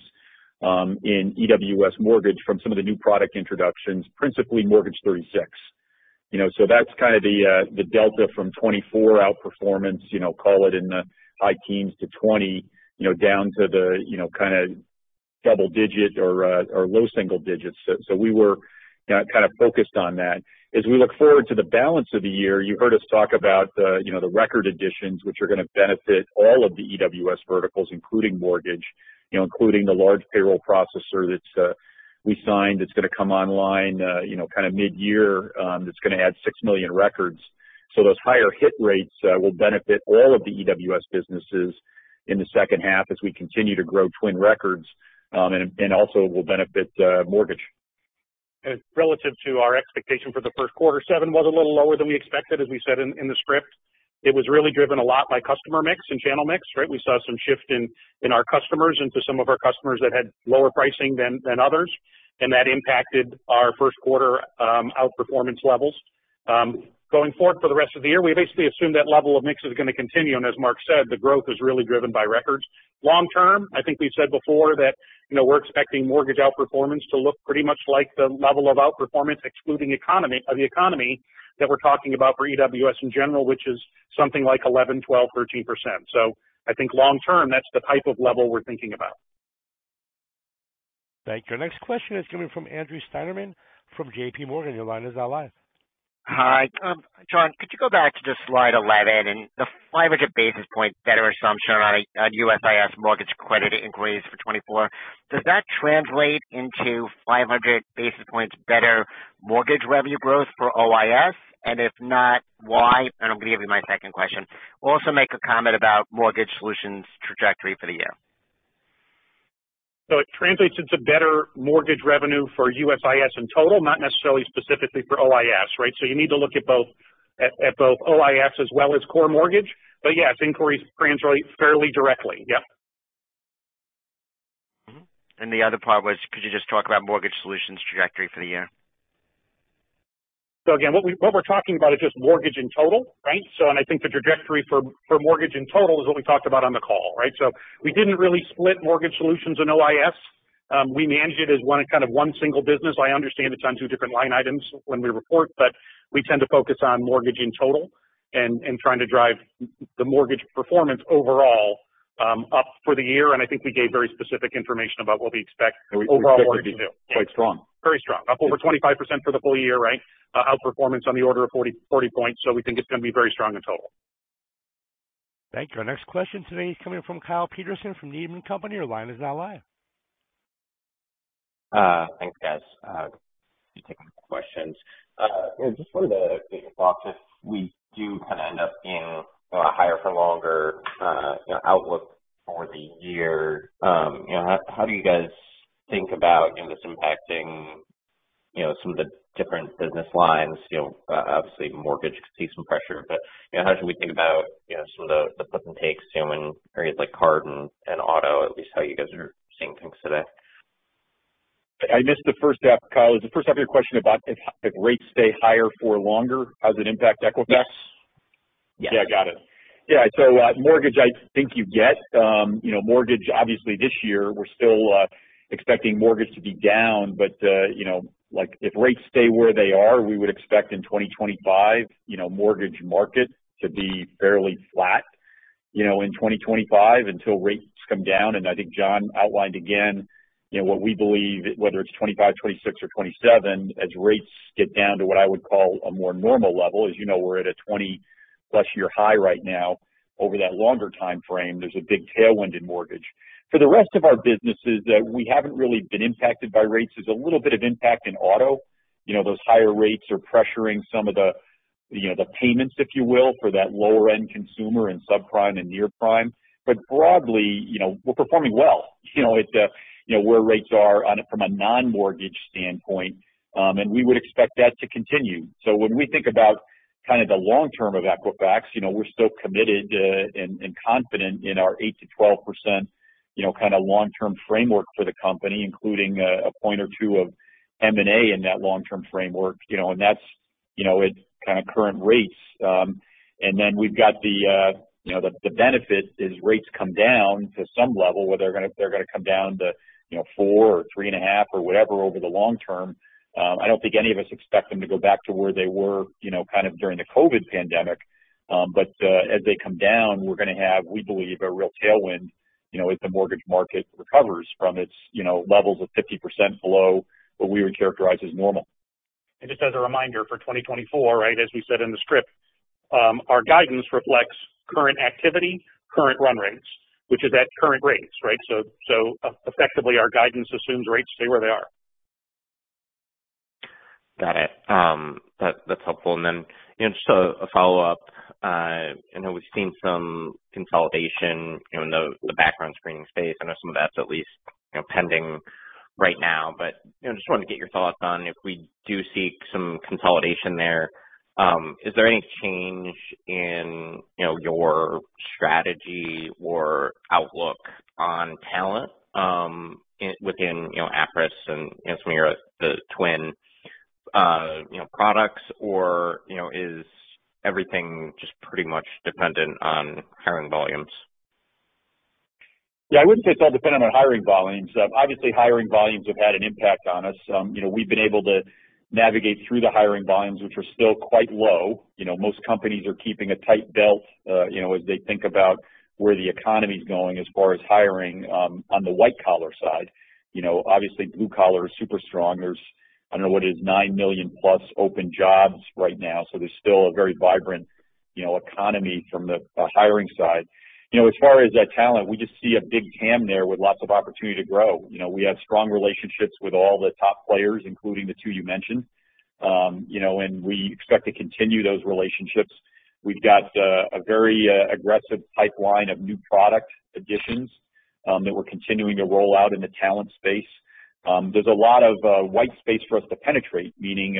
in EWS mortgage from some of the new product introductions, principally Mortgage 36. So that's kind of the delta from 2024 outperformance, call it in the high teens, to 2020, down to the kind of double-digit or low single digits. So we were kind of focused on that. As we look forward to the balance of the year, you heard us talk about the record additions, which are going to benefit all of the EWS verticals, including mortgage, including the large payroll processor that we signed that's going to come online kind of mid-year, that's going to add 6 million records. So those higher hit rates will benefit all of the EWS businesses in the second half as we continue to grow twin records. And also, it will benefit mortgage. Relative to our expectation for the first quarter, seven was a little lower than we expected, as we said in the script. It was really driven a lot by customer mix and channel mix, right? We saw some shift in our customers into some of our customers that had lower pricing than others. That impacted our first quarter outperformance levels. Going forward for the rest of the year, we basically assume that level of mix is going to continue. As Mark said, the growth is really driven by records. Long term, I think we've said before that we're expecting mortgage outperformance to look pretty much like the level of outperformance excluding the economy that we're talking about for EWS in general, which is something like 11%, 12%, 13%. I think long term, that's the type of level we're thinking about. Thank you. Our next question is coming from Andrew Steinerman from JP Morgan. Your line is now live. Hi, John. Could you go back to just slide 11 and the 500 basis point better assumption on USIS mortgage credit inquiries for 2024? Does that translate into 500 basis points better mortgage revenue growth for USIS? And if not, why? And I'm going to give you my second question. We'll also make a comment about Mortgage Solutions' trajectory for the year. So it translates into better mortgage revenue for USIS in total, not necessarily specifically for OIS, right? So you need to look at both OIS as well as core mortgage. But yes, inquiries translate fairly directly. Yep. The other part was, could you just talk about Mortgage Solutions' trajectory for the year? So again, what we're talking about is just mortgage in total, right? And I think the trajectory for mortgage in total is what we talked about on the call, right? So we didn't really split Mortgage Solutions and OIS. We manage it as kind of one single business. I understand it's on two different line items when we report, but we tend to focus on mortgage in total and trying to drive the mortgage performance overall up for the year. And I think we gave very specific information about what we expect overall mortgage to do. We expect to be quite strong. Very strong, up over 25% for the full year, right? Outperformance on the order of 40 points. So we think it's going to be very strong in total. Thank you. Our next question today is coming from Kyle Peterson from Needham & Company. Your line is now live. Thanks, guys. Thank you for taking the questions. Just wanted to get your thoughts. If we do kind of end up being higher for longer, outlook for the year, how do you guys think about this impacting some of the different business lines? Obviously, mortgage could see some pressure, but how should we think about some of the puts and takes in areas like car and auto, at least how you guys are seeing things today? I missed the first half, Kyle. Is the first half of your question about if rates stay higher for longer, how does it impact Equifax? Yes. Yes. Yeah. Got it. Yeah. So mortgage, I think you get. Mortgage, obviously, this year, we're still expecting mortgage to be down. But if rates stay where they are, we would expect in 2025, mortgage market to be fairly flat in 2025 until rates come down. And I think John outlined again what we believe, whether it's 2025, 2026, or 2027, as rates get down to what I would call a more normal level. As you know, we're at a 20-plus-year high right now. Over that longer time frame, there's a big tailwind in mortgage. For the rest of our businesses, we haven't really been impacted by rates. There's a little bit of impact in auto. Those higher rates are pressuring some of the payments, if you will, for that lower-end consumer in subprime and nearprime. But broadly, we're performing well. It's where rates are from a non-mortgage standpoint. We would expect that to continue. So when we think about kind of the long term of Equifax, we're still committed and confident in our 8%-12% kind of long-term framework for the company, including a point or two of M&A in that long-term framework. And that's at kind of current rates. And then we've got the benefit is rates come down to some level, whether they're going to come down to 4% or 3.5% or whatever over the long term. I don't think any of us expect them to go back to where they were kind of during the COVID pandemic. But as they come down, we're going to have, we believe, a real tailwind if the mortgage market recovers from its levels of 50% below what we would characterize as normal. Just as a reminder for 2024, right, as we said in the script, our guidance reflects current activity, current run rates, which is at current rates, right? Effectively, our guidance assumes rates stay where they are. Got it. That's helpful. And then just a follow-up. I know we've seen some consolidation in the background screening space. I know some of that's at least pending right now. But just wanted to get your thoughts on if we do see some consolidation there, is there any change in your strategy or outlook on talent within Appriss and some of your twin products, or is everything just pretty much dependent on hiring volumes? Yeah. I wouldn't say it's all dependent on hiring volumes. Obviously, hiring volumes have had an impact on us. We've been able to navigate through the hiring volumes, which are still quite low. Most companies are keeping a tight belt as they think about where the economy's going as far as hiring on the white-collar side. Obviously, blue-collar is super strong. I don't know what it is, 9 million-plus open jobs right now. So there's still a very vibrant economy from the hiring side. As far as talent, we just see a big TAM there with lots of opportunity to grow. We have strong relationships with all the top players, including the two you mentioned. And we expect to continue those relationships. We've got a very aggressive pipeline of new product additions that we're continuing to roll out in the talent space. There's a lot of white space for us to penetrate, meaning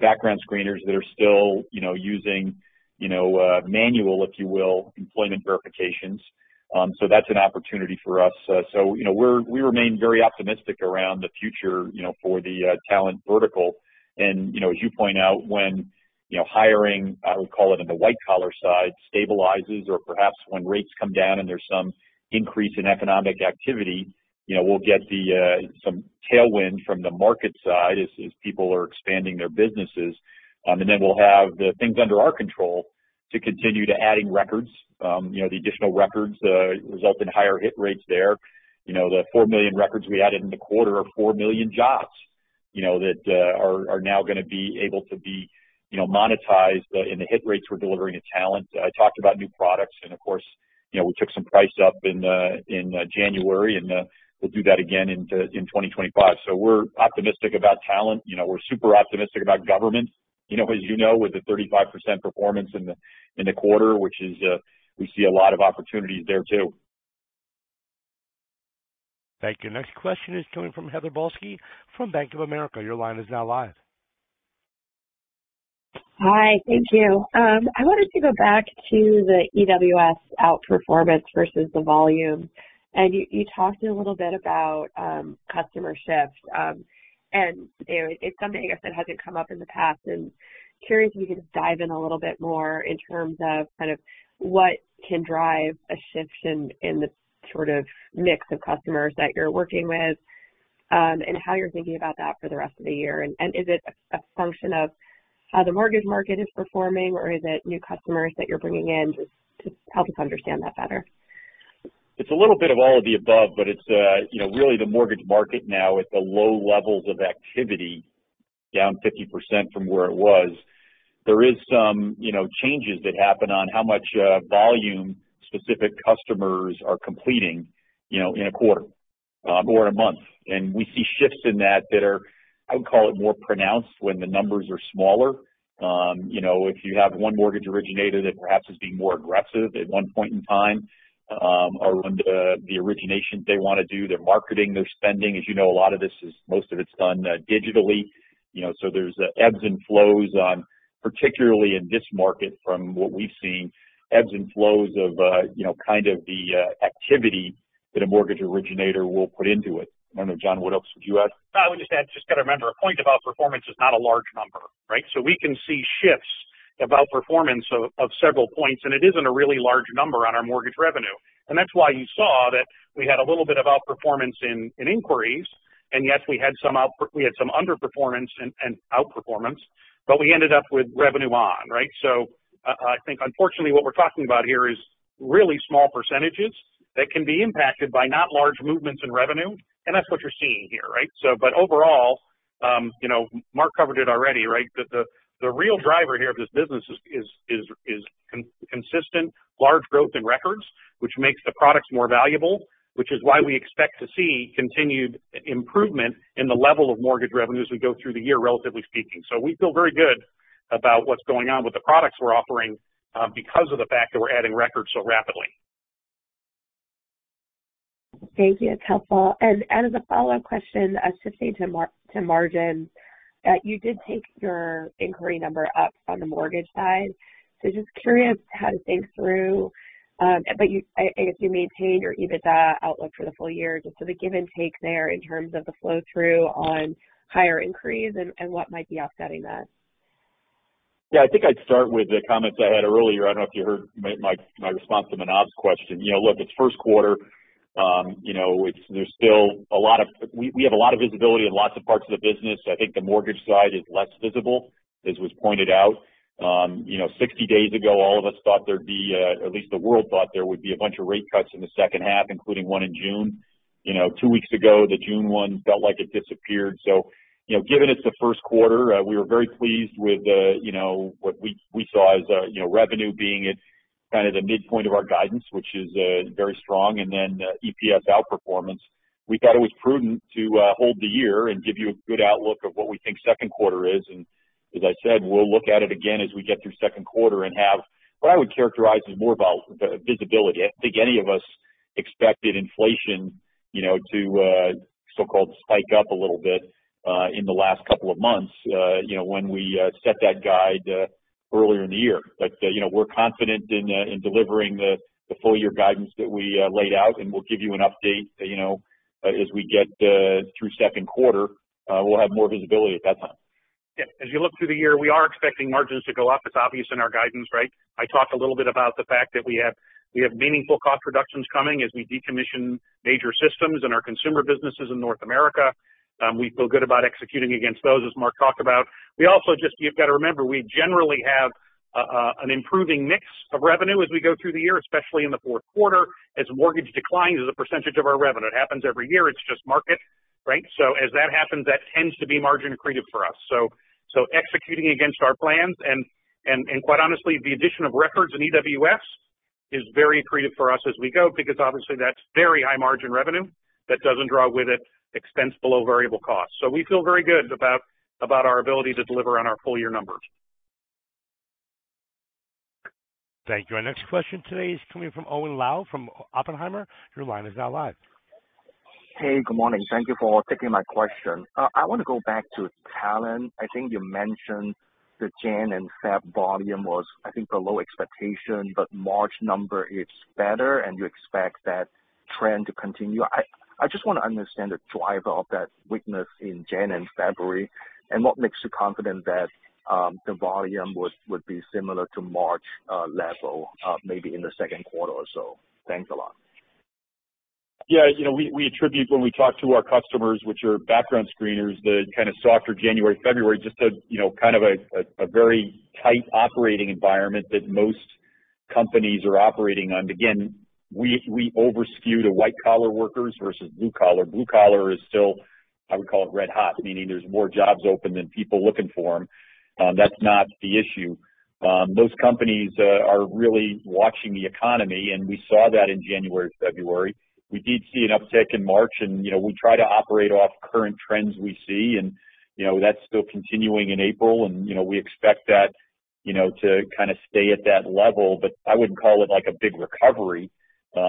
background screeners that are still using manual, if you will, employment verifications. So that's an opportunity for us. So we remain very optimistic around the future for the talent vertical. And as you point out, when hiring, I would call it on the white-collar side, stabilizes, or perhaps when rates come down and there's some increase in economic activity, we'll get some tailwind from the market side as people are expanding their businesses. And then we'll have the things under our control to continue to add in records. The additional records result in higher hit rates there. The 4 million records we added in the quarter are 4 million jobs that are now going to be able to be monetized in the hit rates we're delivering to talent. I talked about new products. Of course, we took some price up in January. We'll do that again in 2025. We're optimistic about talent. We're super optimistic about government, as you know, with the 35% performance in the quarter, which is, we see a lot of opportunities there too. Thank you. Next question is coming from Heather Balsky from Bank of America. Your line is now live. Hi. Thank you. I wanted to go back to the EWS outperformance versus the volume. You talked a little bit about customer shift. It's something, I guess, that hasn't come up in the past. And curious if you could dive in a little bit more in terms of kind of what can drive a shift in the sort of mix of customers that you're working with and how you're thinking about that for the rest of the year. Is it a function of how the mortgage market is performing, or is it new customers that you're bringing in? Just help us understand that better. It's a little bit of all of the above, but it's really the mortgage market now at the low levels of activity, down 50% from where it was. There is some changes that happen on how much volume-specific customers are completing in a quarter or in a month. And we see shifts in that that are, I would call it, more pronounced when the numbers are smaller. If you have one mortgage originator that perhaps is being more aggressive at one point in time or when the origination they want to do, their marketing, their spending, as you know, a lot of this is most of it's done digitally. So there's ebbs and flows on particularly in this market from what we've seen, ebbs and flows of kind of the activity that a mortgage originator will put into it. I don't know, John, what else would you add? I would just add, just got to remember, a point of outperformance is not a large number, right? So we can see shifts of outperformance of several points. And it isn't a really large number on our mortgage revenue. And that's why you saw that we had a little bit of outperformance in inquiries. And yes, we had some underperformance and outperformance, but we ended up with revenue on, right? So I think, unfortunately, what we're talking about here is really small percentages that can be impacted by not large movements in revenue. And that's what you're seeing here, right? But overall, Mark covered it already, right? The real driver here of this business is consistent, large growth in records, which makes the products more valuable, which is why we expect to see continued improvement in the level of mortgage revenues as we go through the year, relatively speaking. So we feel very good about what's going on with the products we're offering because of the fact that we're adding records so rapidly. Thank you. That's helpful. And as a follow-up question, shifting to margins, you did take your inquiry number up on the mortgage side. So just curious how to think through, but I guess you maintained your EBITDA outlook for the full year. Just so the give and take there in terms of the flow-through on higher inquiries and what might be offsetting that. Yeah. I think I'd start with the comments I had earlier. I don't know if you heard my response to Manav's question. Look, it's first quarter. There's still a lot of visibility in lots of parts of the business. I think the mortgage side is less visible, as was pointed out. 60 days ago, all of us thought there'd be at least the world thought there would be a bunch of rate cuts in the second half, including one in June. Two weeks ago, the June one felt like it disappeared. So given it's the first quarter, we were very pleased with what we saw as revenue being at kind of the midpoint of our guidance, which is very strong. Then EPS outperformance, we thought it was prudent to hold the year and give you a good outlook of what we think second quarter is. As I said, we'll look at it again as we get through second quarter and have what I would characterize as more about visibility. I don't think any of us expected inflation to so-called spike up a little bit in the last couple of months when we set that guide earlier in the year. But we're confident in delivering the full-year guidance that we laid out. We'll give you an update as we get through second quarter. We'll have more visibility at that time. Yeah. As you look through the year, we are expecting margins to go up. It's obvious in our guidance, right? I talked a little bit about the fact that we have meaningful cost reductions coming as we decommission major systems in our consumer businesses in North America. We feel good about executing against those, as Mark talked about. We also just you've got to remember, we generally have an improving mix of revenue as we go through the year, especially in the fourth quarter. As mortgage declines as a percentage of our revenue, it happens every year. It's just market, right? So as that happens, that tends to be margin accretive for us. So executing against our plans. And quite honestly, the addition of records in EWS is very accretive for us as we go because, obviously, that's very high-margin revenue that doesn't draw with it expense below variable costs. We feel very good about our ability to deliver on our full-year numbers. Thank you. Our next question today is coming from Owen Lau from Oppenheimer. Your line is now live. Hey. Good morning. Thank you for taking my question. I want to go back to talent. I think you mentioned the January and February volume was, I think, below expectation, but March number is better, and you expect that trend to continue. I just want to understand the driver of that weakness in January and February and what makes you confident that the volume would be similar to March level, maybe in the second quarter or so? Thanks a lot. Yeah. We attribute, when we talk to our customers, which are background screeners, the kind of softer January, February, just kind of a very tight operating environment that most companies are operating on. Again, we overskew to white-collar workers versus blue-collar. Blue-collar is still, I would call it, red-hot, meaning there's more jobs open than people looking for them. That's not the issue. Most companies are really watching the economy. And we saw that in January, February. We did see an uptick in March. And we try to operate off current trends we see. And that's still continuing in April. And we expect that to kind of stay at that level. But I wouldn't call it a big recovery,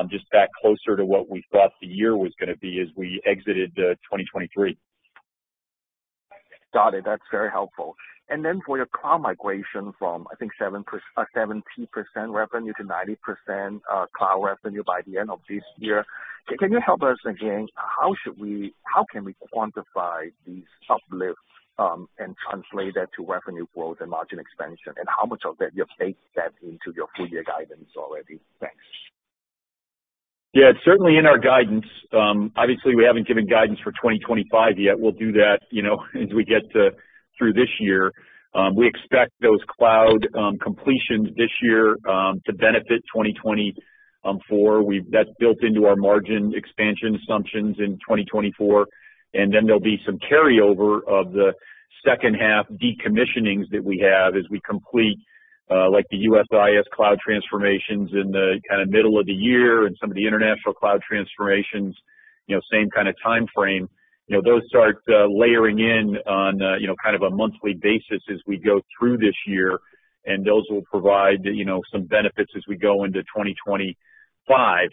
just back closer to what we thought the year was going to be as we exited 2023. Got it. That's very helpful. And then for your cloud migration from, I think, 70% revenue to 90% cloud revenue by the end of this year, can you help us again? How can we quantify these uplifts and translate that to revenue growth and margin expansion? And how much of that you've baked that into your full-year guidance already? Thanks. Yeah. Certainly, in our guidance, obviously, we haven't given guidance for 2025 yet. We'll do that as we get through this year. We expect those cloud completions this year to benefit 2024. That's built into our margin expansion assumptions in 2024. And then there'll be some carryover of the second-half decommissionings that we have as we complete the USIS cloud transformations in the kind of middle of the year and some of the international cloud transformations, same kind of timeframe. Those start layering in on kind of a monthly basis as we go through this year. And those will provide some benefits as we go into 2025.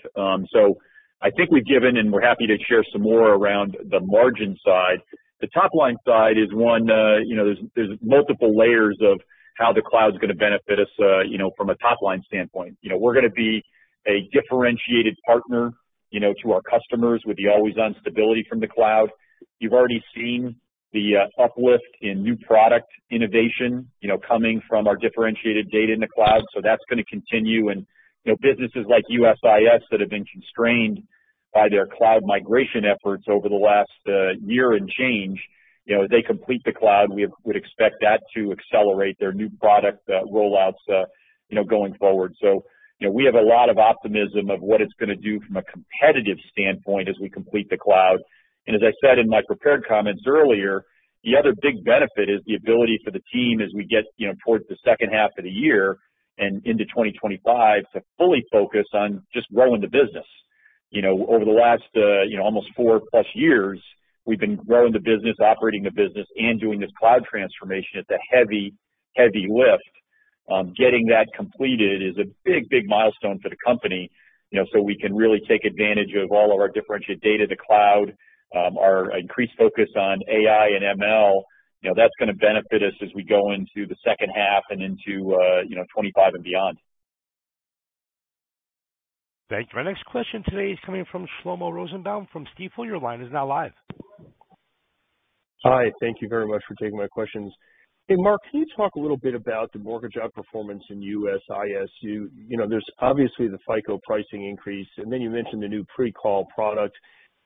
So I think we've given, and we're happy to share some more around the margin side. The top-line side is one, there's multiple layers of how the cloud's going to benefit us from a top-line standpoint. We're going to be a differentiated partner to our customers with the always-on stability from the cloud. You've already seen the uplift in new product innovation coming from our differentiated data in the cloud. So that's going to continue. And businesses like USIS that have been constrained by their cloud migration efforts over the last year and change, if they complete the cloud, we would expect that to accelerate their new product rollouts going forward. So we have a lot of optimism of what it's going to do from a competitive standpoint as we complete the cloud. And as I said in my prepared comments earlier, the other big benefit is the ability for the team as we get towards the second half of the year and into 2025 to fully focus on just growing the business. Over the last almost 4+ years, we've been growing the business, operating the business, and doing this cloud transformation at the heavy, heavy lift. Getting that completed is a big, big milestone for the company so we can really take advantage of all of our differentiated data, the cloud, our increased focus on AI and ML. That's going to benefit us as we go into the second half and into 2025 and beyond. Thank you. Our next question today is coming from Shlomo Rosenbaum from Stifel. Your line is now live. Hi. Thank you very much for taking my questions. Hey, Mark, can you talk a little bit about the mortgage outperformance in USIS? There's obviously the FICO pricing increase. And then you mentioned the new pre-qual product.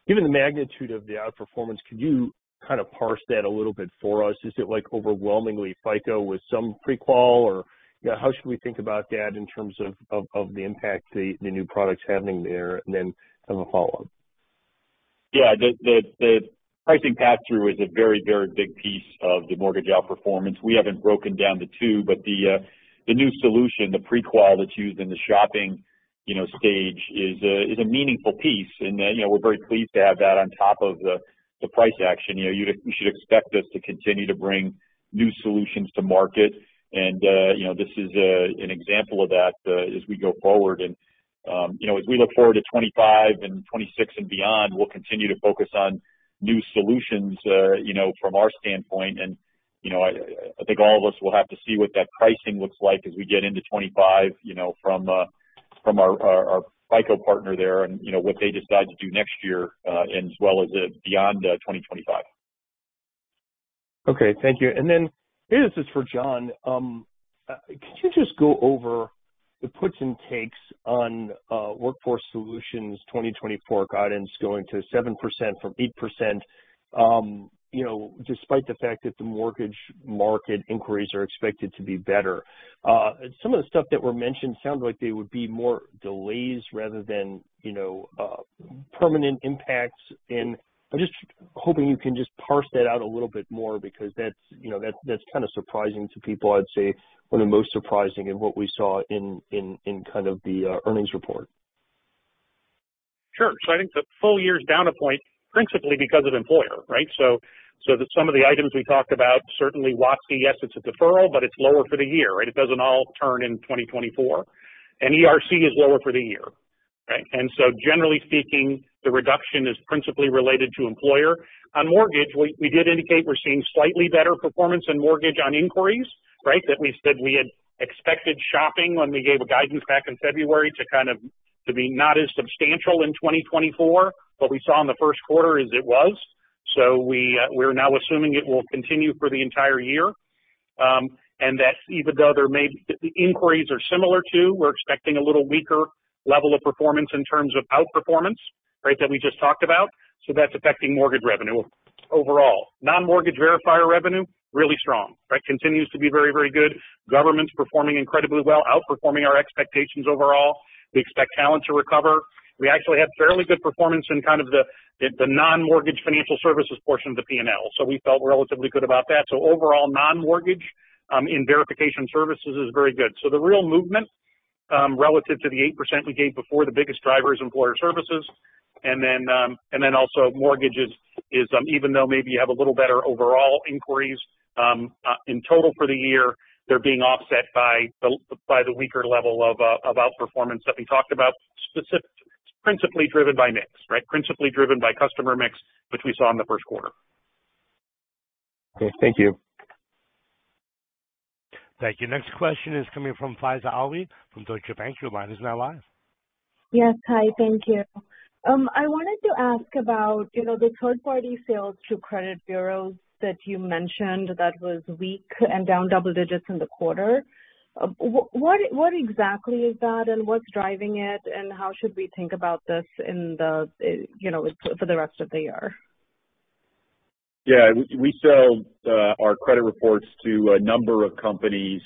Given the magnitude of the outperformance, could you kind of parse that a little bit for us? Is it overwhelmingly FICO with some pre-qual, or how should we think about that in terms of the impact the new product's having there? And then have a follow-up. Yeah. The pricing pass-through is a very, very big piece of the mortgage outperformance. We haven't broken down the two. But the new solution, the pre-qual that's used in the shopping stage, is a meaningful piece. And we're very pleased to have that on top of the price action. You should expect us to continue to bring new solutions to market. And this is an example of that as we go forward. And as we look forward to 2025 and 2026 and beyond, we'll continue to focus on new solutions from our standpoint. And I think all of us will have to see what that pricing looks like as we get into 2025 from our FICO partner there and what they decide to do next year as well as beyond 2025. Okay. Thank you. And then I guess this is for John. Could you just go over the puts and takes on Workforce Solutions' 2024 guidance going to 7% from 8% despite the fact that the mortgage market inquiries are expected to be better? Some of the stuff that were mentioned sounded like there would be more delays rather than permanent impacts. And I'm just hoping you can just parse that out a little bit more because that's kind of surprising to people. I'd say one of the most surprising in what we saw in kind of the earnings report. Sure. So I think the full year's down a point principally because of employer, right? So some of the items we talked about, certainly WASC, yes, it's a deferral, but it's lower for the year, right? It doesn't all turn in 2024. And ERC is lower for the year, right? And so generally speaking, the reduction is principally related to employer. On mortgage, we did indicate we're seeing slightly better performance in mortgage on inquiries, right, that we had expected shopping when we gave a guidance back in February to kind of be not as substantial in 2024. What we saw in the first quarter is it was. So we're now assuming it will continue for the entire year. And that even though the inquiries are similar to, we're expecting a little weaker level of performance in terms of outperformance, right, that we just talked about. So that's affecting mortgage revenue overall. Non-mortgage verification revenue, really strong, right, continues to be very, very good. Government's performing incredibly well, outperforming our expectations overall. We expect talent to recover. We actually had fairly good performance in kind of the non-mortgage financial services portion of the P&L. So we felt relatively good about that. So overall, non-mortgage in verification services is very good. So the real movement relative to the 8% we gave before, the biggest driver is employer services. And then also mortgage is, even though maybe you have a little better overall inquiries in total for the year, they're being offset by the weaker level of outperformance that we talked about, principally driven by mix, right, principally driven by customer mix, which we saw in the first quarter. Okay. Thank you. Thank you. Next question is coming from Faiza Alwy from Deutsche Bank. Your line is now live. Yes. Hi. Thank you. I wanted to ask about the third-party sales. Two credit bureaus that you mentioned that was weak and down double digits in the quarter. What exactly is that, and what's driving it, and how should we think about this for the rest of the year? Yeah. We sell our credit reports to a number of companies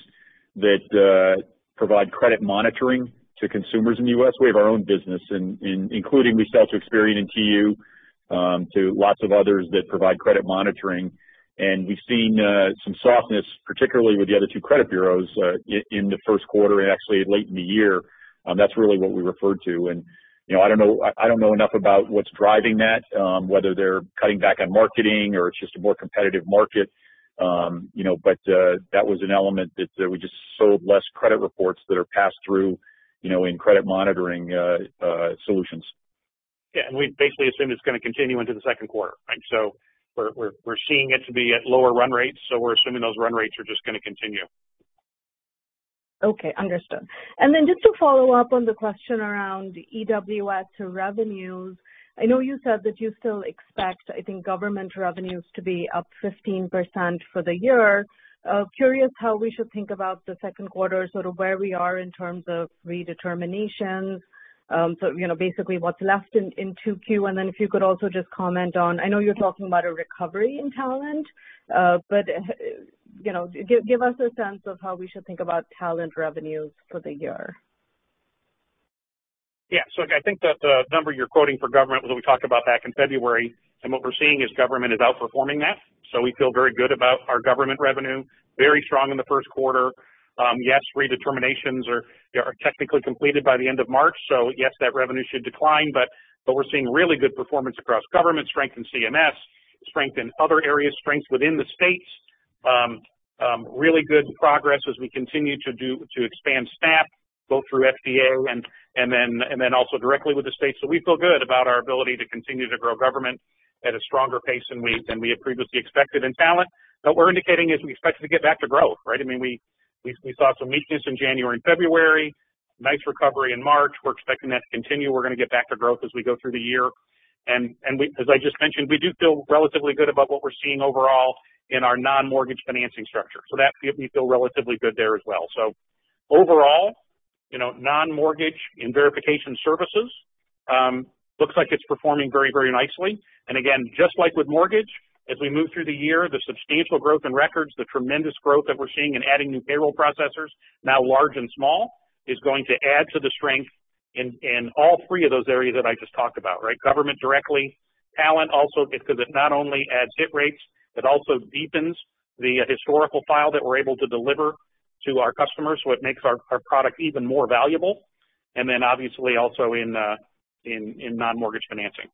that provide credit monitoring to consumers in the U.S. We have our own business, including we sell to Experian and TU, to lots of others that provide credit monitoring. And we've seen some softness, particularly with the other two credit bureaus, in the first quarter and actually late in the year. That's really what we referred to. And I don't know enough about what's driving that, whether they're cutting back on marketing or it's just a more competitive market. But that was an element that we just sold less credit reports that are passed through in credit monitoring solutions. Yeah. And we basically assumed it's going to continue into the second quarter, right? So we're seeing it to be at lower run rates. So we're assuming those run rates are just going to continue. Okay. Understood. And then just to follow up on the question around EWS revenues, I know you said that you still expect, I think, government revenues to be up 15% for the year. Curious how we should think about the second quarter, sort of where we are in terms of redeterminations, so basically what's left in 2Q. And then if you could also just comment on I know you're talking about a recovery in talent, but give us a sense of how we should think about talent revenues for the year. Yeah. So I think that the number you're quoting for government was what we talked about back in February. What we're seeing is government is outperforming that. We feel very good about our government revenue, very strong in the first quarter. Yes, redeterminations are technically completed by the end of March. Yes, that revenue should decline. But we're seeing really good performance across government, strength in CMS, strength in other areas, strength within the states, really good progress as we continue to expand staff both through FDA and then also directly with the states. We feel good about our ability to continue to grow government at a stronger pace than we had previously expected. And talent, what we're indicating is we expect it to get back to growth, right? I mean, we saw some weakness in January and February, nice recovery in March. We're expecting that to continue. We're going to get back to growth as we go through the year. As I just mentioned, we do feel relatively good about what we're seeing overall in our non-mortgage financing structure. We feel relatively good there as well. Overall, non-mortgage in verification services looks like it's performing very, very nicely. Again, just like with mortgage, as we move through the year, the substantial growth in records, the tremendous growth that we're seeing in adding new payroll processors, now large and small, is going to add to the strength in all three of those areas that I just talked about, right, government directly, talent also because it not only adds hit rates, it also deepens the historical file that we're able to deliver to our customers. So it makes our product even more valuable. Then obviously, also in non-mortgage financing.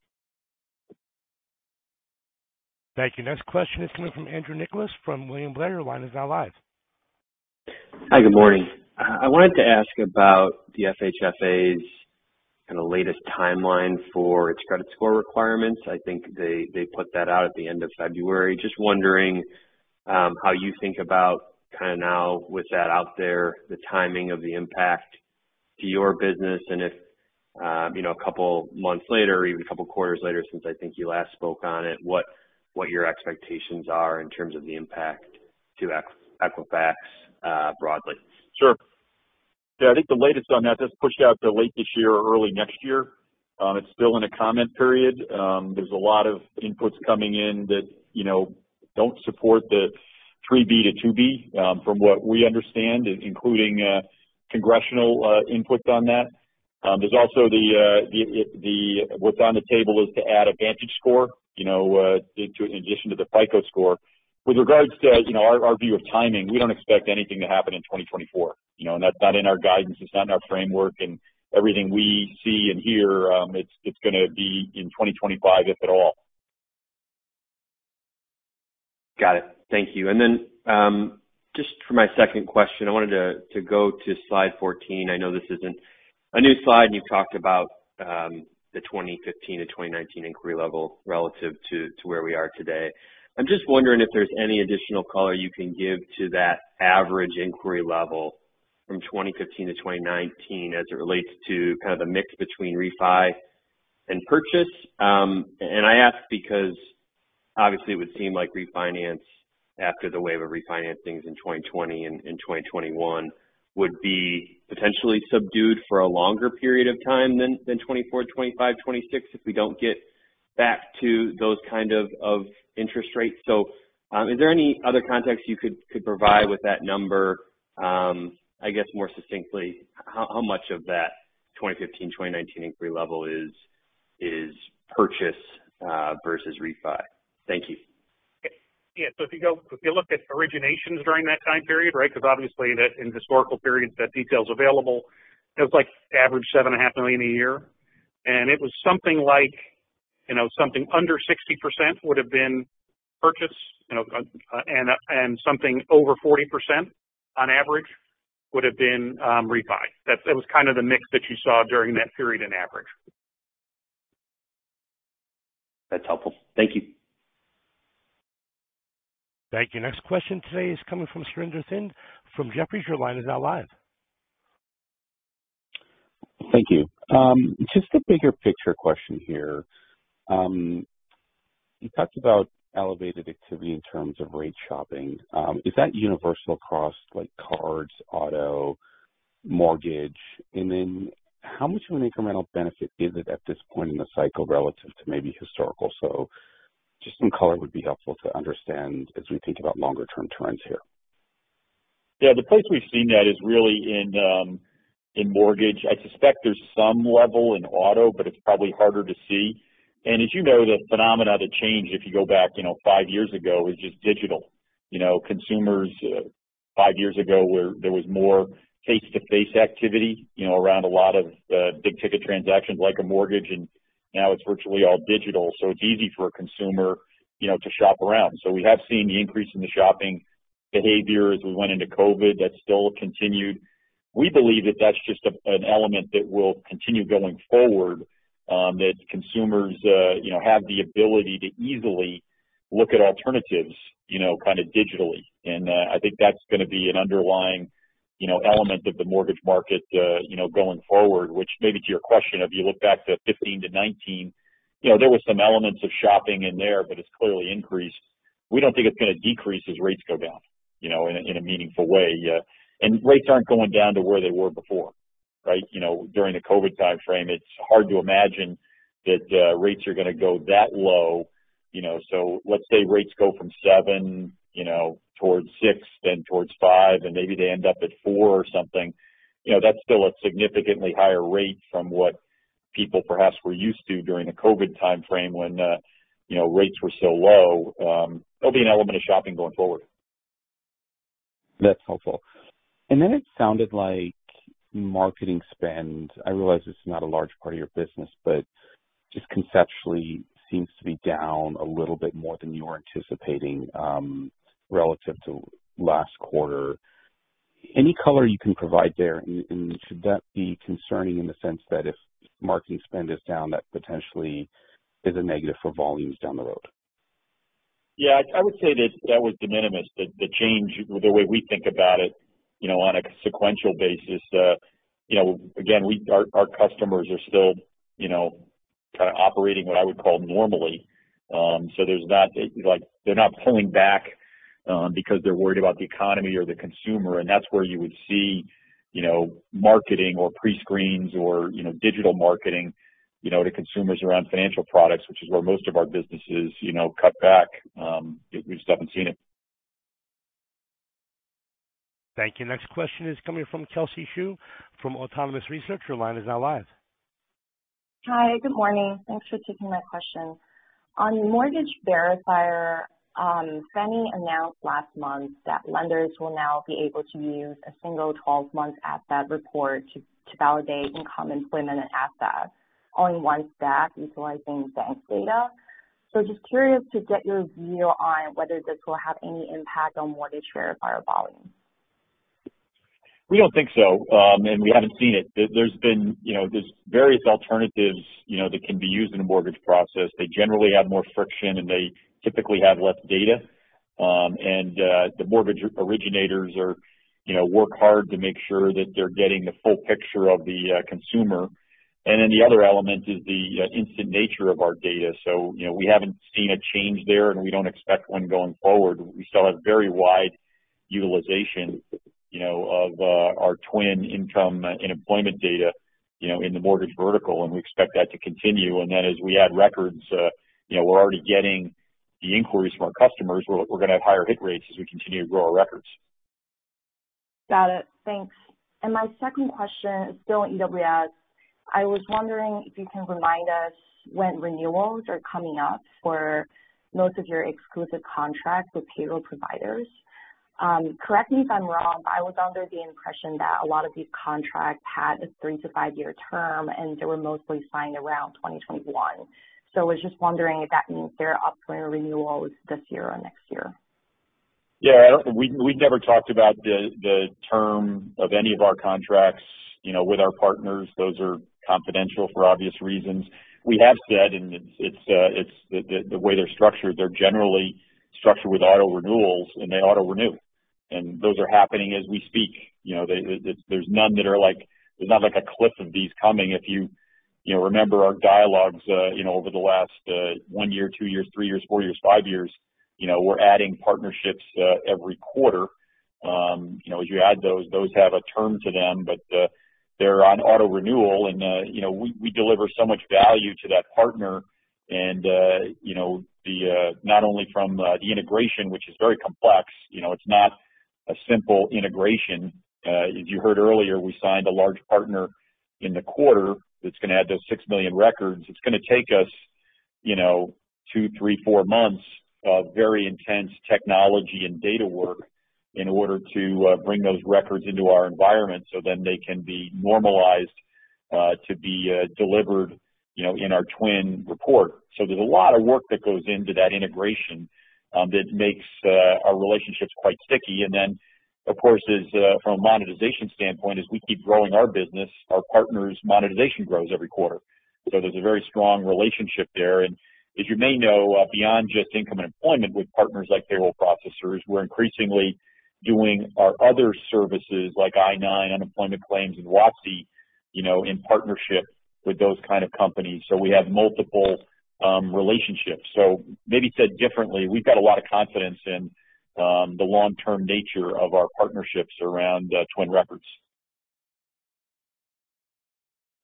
Thank you. Next question is coming from Andrew Nicholas from William Blair. Your line is now live. Hi. Good morning. I wanted to ask about the FHFA's kind of latest timeline for its credit score requirements. I think they put that out at the end of February. Just wondering how you think about kind of now with that out there, the timing of the impact to your business? And if a couple months later or even a couple quarters later since I think you last spoke on it, what your expectations are in terms of the impact to Equifax broadly? Sure. Yeah. I think the latest on that just pushed out to late this year or early next year. It's still in a comment period. There's a lot of inputs coming in that don't support the $3 billion-$2 billion from what we understand, including congressional inputs on that. There's also what's on the table is to add a VantageScore in addition to the FICO score. With regards to our view of timing, we don't expect anything to happen in 2024. That's not in our guidance. It's not in our framework. Everything we see and hear, it's going to be in 2025, if at all. Got it. Thank you. Then just for my second question, I wanted to go to slide 14. I know this isn't a new slide, and you've talked about the 2015 to 2019 inquiry level relative to where we are today. I'm just wondering if there's any additional color you can give to that average inquiry level from 2015 to 2019 as it relates to kind of the mix between refi and purchase. I ask because obviously, it would seem like refinance after the wave of refinancings in 2020 and 2021 would be potentially subdued for a longer period of time than 2024, 2025, 2026 if we don't get back to those kind of interest rates. So is there any other context you could provide with that number, I guess, more succinctly? How much of that 2015, 2019 inquiry level is purchase versus refi? Thank you. Yeah. So if you look at originations during that time period, right, because obviously, in historical periods, that detail's available, it was average 7.5 million a year. And it was something like something under 60% would have been purchase, and something over 40% on average would have been refi. That was kind of the mix that you saw during that period on average. That's helpful. Thank you. Thank you. Next question today is coming from Surinder Thind from Jefferies. Your line is now live. Thank you. Just a bigger picture question here. You talked about elevated activity in terms of rate shopping. Is that universal across cards, auto, mortgage? And then how much of an incremental benefit is it at this point in the cycle relative to maybe historical? Just some color would be helpful to understand as we think about longer-term trends here. Yeah. The place we've seen that is really in mortgage. I suspect there's some level in auto, but it's probably harder to see. And as you know, the phenomena that changed if you go back five years ago is just digital. Consumers, five years ago, there was more face-to-face activity around a lot of big-ticket transactions like a mortgage. And now it's virtually all digital. So it's easy for a consumer to shop around. So we have seen the increase in the shopping behavior as we went into COVID. That's still continued. We believe that that's just an element that will continue going forward, that consumers have the ability to easily look at alternatives kind of digitally. I think that's going to be an underlying element of the mortgage market going forward, which maybe to your question, if you look back to 2015-2019, there were some elements of shopping in there, but it's clearly increased. We don't think it's going to decrease as rates go down in a meaningful way. Rates aren't going down to where they were before, right? During the COVID timeframe, it's hard to imagine that rates are going to go that low. So let's say rates go from 7 towards 6, then towards 5, and maybe they end up at 4 or something. That's still a significantly higher rate from what people perhaps were used to during the COVID timeframe when rates were so low. There'll be an element of shopping going forward. That's helpful. Then it sounded like marketing spend, I realize it's not a large part of your business, but just conceptually, seems to be down a little bit more than you were anticipating relative to last quarter, any color you can provide there? And should that be concerning in the sense that if marketing spend is down, that potentially is a negative for volumes down the road? Yeah. I would say that that was de minimis, the change, the way we think about it on a sequential basis. Again, our customers are still kind of operating what I would call normally. So they're not pulling back because they're worried about the economy or the consumer. And that's where you would see marketing or prescreens or digital marketing to consumers around financial products, which is where most of our businesses cut back. We just haven't seen it. Thank you. Next question is coming from Kelsey Zhu from Autonomous Research. Your line is now live. Hi. Good morning. Thanks for taking my question. On mortgage verifier, Fannie Mae announced last month that lenders will now be able to use a single 12-month asset report to validate income employment and assets on one stack utilizing bank data. So just curious to get your view on whether this will have any impact on mortgage verifier volume. We don't think so. We haven't seen it. There's various alternatives that can be used in a mortgage process. They generally have more friction, and they typically have less data. The mortgage originators work hard to make sure that they're getting the full picture of the consumer. Then the other element is the instant nature of our data. We haven't seen a change there, and we don't expect one going forward. We still have very wide utilization of our twin income and employment data in the mortgage vertical. We expect that to continue. Then as we add records, we're already getting the inquiries from our customers. We're going to have higher hit rates as we continue to grow our records. Got it. Thanks. My second question is still on EWS. I was wondering if you can remind us when renewals are coming up for most of your exclusive contracts with payroll providers. Correct me if I'm wrong, but I was under the impression that a lot of these contracts had a 3-5-year term, and they were mostly signed around 2021. I was just wondering if that means they're up for renewals this year or next year. Yeah. We've never talked about the term of any of our contracts with our partners. Those are confidential for obvious reasons. We have said, and it's the way they're structured, they're generally structured with auto renewals, and they auto-renew. Those are happening as we speak. There's none that are. There's not a cliff of these coming. If you remember our dialogues over the last one year, two years, three years, four years, five years, we're adding partnerships every quarter. As you add those, those have a term to them, but they're on auto-renewal. We deliver so much value to that partner. Not only from the integration, which is very complex, it's not a simple integration. As you heard earlier, we signed a large partner in the quarter that's going to add those 6 million records. It's going to take us 2, 3, 4 months of very intense technology and data work in order to bring those records into our environment so then they can be normalized to be delivered in our twin report. So there's a lot of work that goes into that integration that makes our relationships quite sticky. And then, of course, from a monetization standpoint, as we keep growing our business, our partners' monetization grows every quarter. So there's a very strong relationship there. And as you may know, beyond just income and employment with partners like payroll processors, we're increasingly doing our other services like I-9, unemployment claims, and WOTC in partnership with those kind of companies. So we have multiple relationships. So maybe said differently, we've got a lot of confidence in the long-term nature of our partnerships around twin records.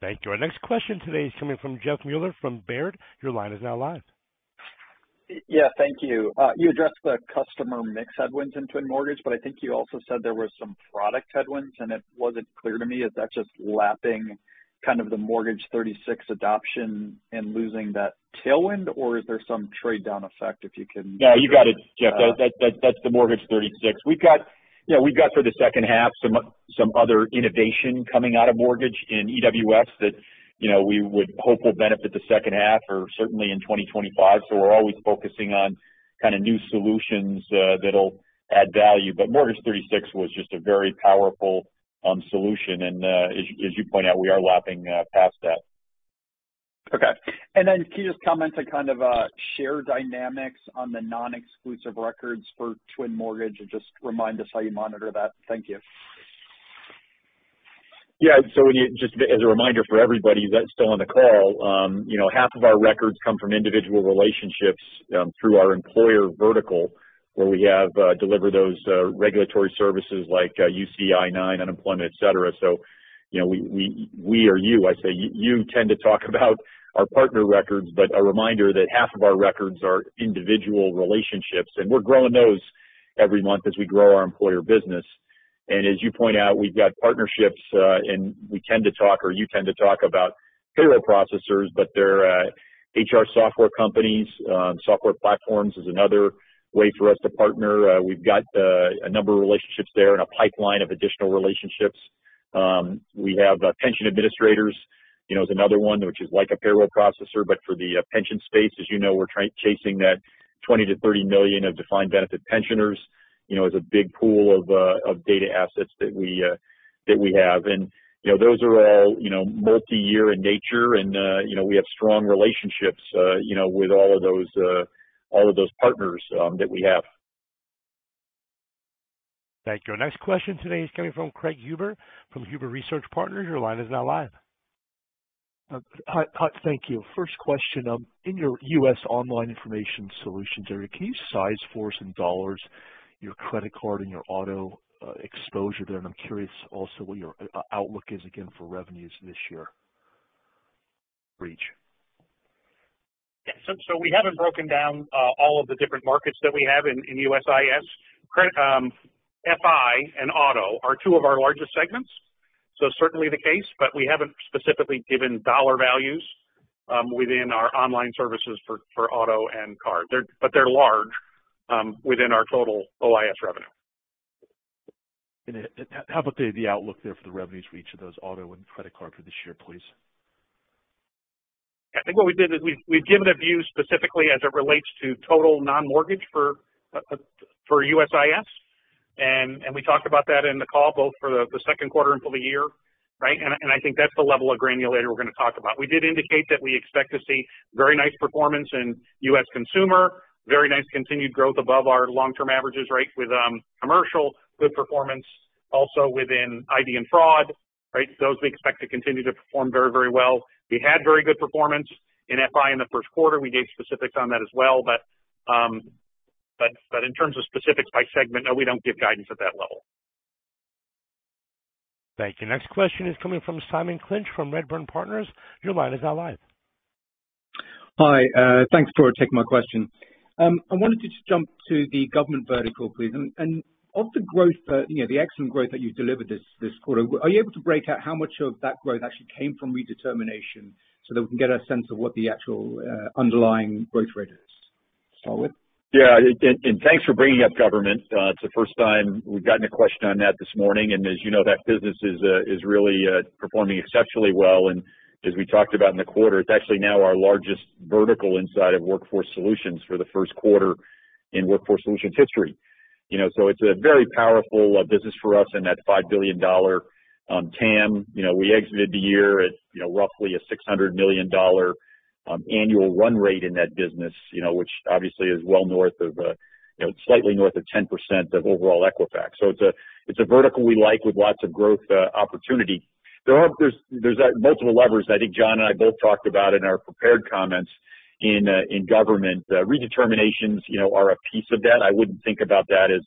Thank you. Our next question today is coming from Jeff Meuler from Baird. Your line is now live. Yeah. Thank you. You addressed the customer mix headwinds in twin mortgage, but I think you also said there were some product headwinds. It wasn't clear to me if that's just lapping kind of the Mortgage 36 adoption and losing that tailwind, or is there some trade-down effect if you can? No, you got it, Jeff. That's the Mortgage 36. We've got for the second half some other innovation coming out of mortgage in EWS that we would hope will benefit the second half or certainly in 2025. We're always focusing on kind of new solutions that'll add value. But Mortgage 36 was just a very powerful solution. As you point out, we are lapping past that. Okay. Then can you just comment on kind of share dynamics on the non-exclusive records for Twin mortgage and just remind us how you monitor that? Thank you. Yeah. So just as a reminder for everybody that's still on the call, half of our records come from individual relationships through our employer vertical where we have delivered those regulatory services like I-9, unemployment, etc. So we or you, I say you, tend to talk about our partner records, but a reminder that half of our records are individual relationships. And we're growing those every month as we grow our employer business. And as you point out, we've got partnerships, and we tend to talk or you tend to talk about payroll processors, but they're HR software companies. Software platforms is another way for us to partner. We've got a number of relationships there and a pipeline of additional relationships. We have pension administrators is another one, which is like a payroll processor. For the pension space, as you know, we're chasing that 20-30 million of defined benefit pensioners as a big pool of data assets that we have. Those are all multi-year in nature. We have strong relationships with all of those partners that we have. Thank you. Our next question today is coming from Craig Huber from Huber Research Partners. Your line is now live. Hi. Thank you. First question, in your U.S. Information Solutions area, can you size for us in dollars your credit card and your auto exposure there? And I'm curious also what your outlook is again for revenues this year reach. Yeah. So we haven't broken down all of the different markets that we have in USIS. FI and auto are two of our largest segments. So certainly the case, but we haven't specifically given dollar values within our online services for auto and car. But they're large within our total OIS revenue. How about the outlook there for the revenues for each of those auto and credit card for this year, please? Yeah. I think what we did is we've given a view specifically as it relates to total non-mortgage for USIS. And we talked about that in the call both for the second quarter and for the year, right? And I think that's the level of granularity we're going to talk about. We did indicate that we expect to see very nice performance in US consumer, very nice continued growth above our long-term averages, right, with commercial good performance, also within ID and fraud, right? Those we expect to continue to perform very, very well. We had very good performance in FI in the first quarter. We gave specifics on that as well. But in terms of specifics by segment, no, we don't give guidance at that level. Thank you. Next question is coming from Simon Clinch from Redburn Partners. Your line is now live. Hi. Thanks for taking my question. I wanted to just jump to the government vertical, please. And of the growth, the excellent growth that you've delivered this quarter, are you able to break out how much of that growth actually came from redetermination so that we can get a sense of what the actual underlying growth rate is? Start with? Yeah. And thanks for bringing up government. It's the first time we've gotten a question on that this morning. And as you know, that business is really performing exceptionally well. And as we talked about in the quarter, it's actually now our largest vertical inside of Workforce Solutions for the first quarter in Workforce Solutions history. So it's a very powerful business for us in that $5 billion TAM. We exited the year at roughly a $600 million annual run rate in that business, which obviously is well north of slightly north of 10% of overall Equifax. So it's a vertical we like with lots of growth opportunity. There's multiple levers. I think John and I both talked about it in our prepared comments in government. Redeterminations are a piece of that. I wouldn't think about that as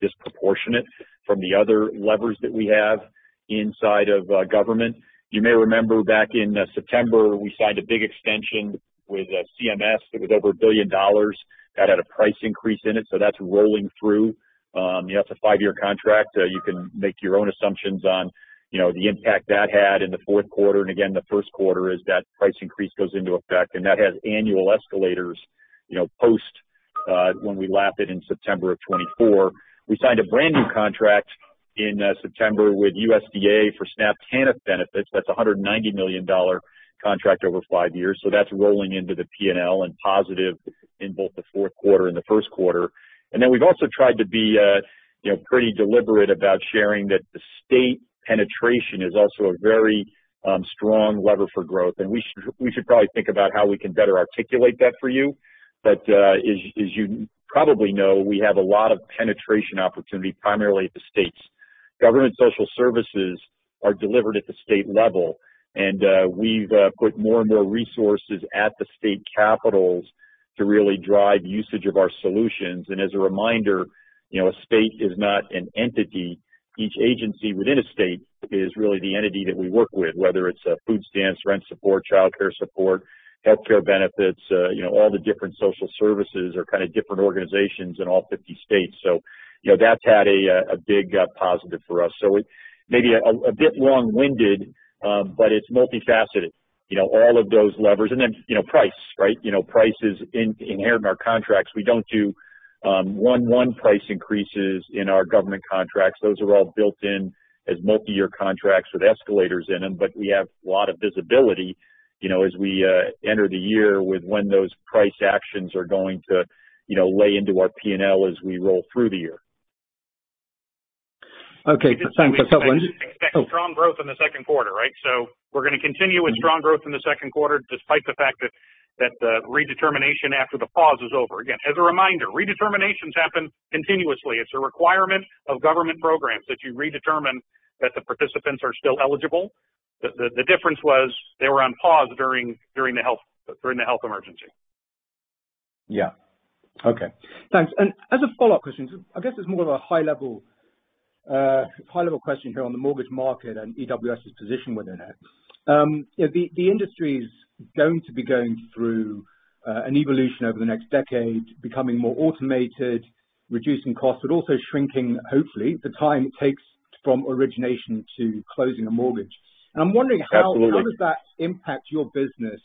disproportionate from the other levers that we have inside of government. You may remember back in September, we signed a big extension with CMS that was over $1 billion. That had a price increase in it. So that's rolling through. That's a five-year contract. You can make your own assumptions on the impact that had in the fourth quarter. And again, the first quarter is that price increase goes into effect. And that has annual escalators post when we lap it in September of 2024. We signed a brand new contract in September with USDA for SNAP TANF benefits. That's a $190 million contract over five years. So that's rolling into the P&L and positive in both the fourth quarter and the first quarter. And then we've also tried to be pretty deliberate about sharing that the state penetration is also a very strong lever for growth. We should probably think about how we can better articulate that for you. But as you probably know, we have a lot of penetration opportunity primarily at the states. Government social services are delivered at the state level. And we've put more and more resources at the state capitals to really drive usage of our solutions. And as a reminder, a state is not an entity. Each agency within a state is really the entity that we work with, whether it's food stamps, rent support, childcare support, healthcare benefits. All the different social services are kind of different organizations in all 50 states. So that's had a big positive for us. So maybe a bit long-winded, but it's multifaceted, all of those levers. And then price, right? Price is inherent in our contracts. We don't do one-to-one price increases in our government contracts. Those are all built-in as multi-year contracts with escalators in them. But we have a lot of visibility as we enter the year with when those price actions are going to lay into our P&L as we roll through the year. Okay. Thanks for that one. So we're expecting strong growth in the second quarter, right? So we're going to continue with strong growth in the second quarter despite the fact that the redetermination after the pause is over. Again, as a reminder, redeterminations happen continuously. It's a requirement of government programs that you redetermine that the participants are still eligible. The difference was they were on pause during the health emergency. Yeah. Okay. Thanks. And as a follow-up question, I guess it's more of a high-level question here on the mortgage market and EWS's position within it. The industry's going to be going through an evolution over the next decade, becoming more automated, reducing costs, but also shrinking, hopefully, the time it takes from origination to closing a mortgage. And I'm wondering how does that impact your business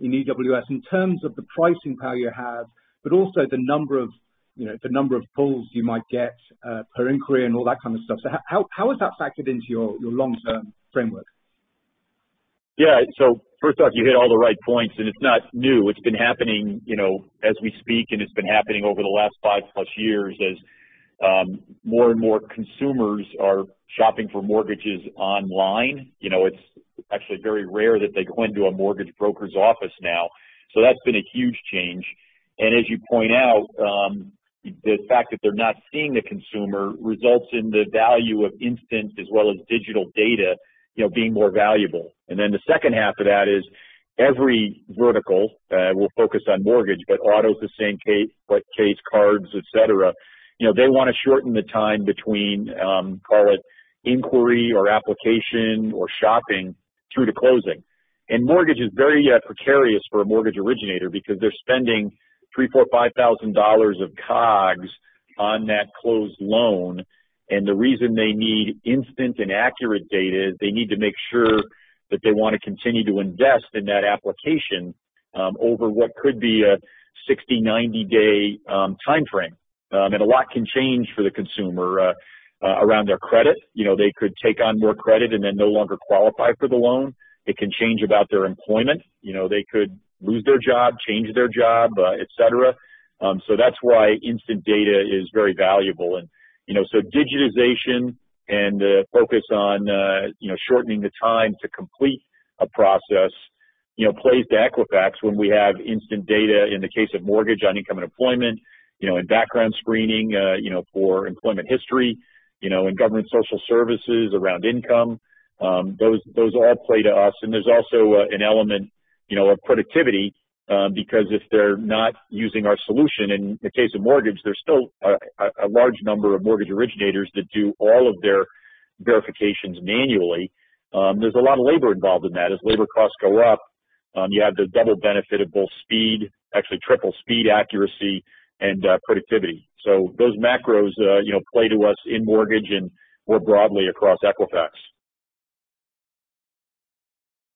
in EWS in terms of the pricing power you have, but also the number of pulls you might get per inquiry and all that kind of stuff? So how is that factored into your long-term framework? Yeah. So first off, you hit all the right points. And it's not new. It's been happening as we speak, and it's been happening over the last 5+ years as more and more consumers are shopping for mortgages online. It's actually very rare that they go into a mortgage broker's office now. So that's been a huge change. And as you point out, the fact that they're not seeing the consumer results in the value of instant as well as digital data being more valuable. And then the second half of that is every vertical will focus on mortgage, but auto's the same case, but case, cards, etc. They want to shorten the time between, call it, inquiry or application or shopping through to closing. And mortgage is very precarious for a mortgage originator because they're spending $3,000-$5,000 of COGS on that closed loan. The reason they need instant and accurate data is they need to make sure that they want to continue to invest in that application over what could be a 60-90-day time frame. And a lot can change for the consumer around their credit. They could take on more credit and then no longer qualify for the loan. It can change about their employment. They could lose their job, change their job, etc. So that's why instant data is very valuable. And so digitization and the focus on shortening the time to complete a process plays to Equifax when we have instant data in the case of mortgage on income and employment and background screening for employment history in government social services around income. Those all play to us. There's also an element of productivity because if they're not using our solution in the case of mortgage, there's still a large number of mortgage originators that do all of their verifications manually. There's a lot of labor involved in that. As labor costs go up, you have the double benefit of both speed, actually triple speed, accuracy, and productivity. Those macros play to us in mortgage and more broadly across Equifax.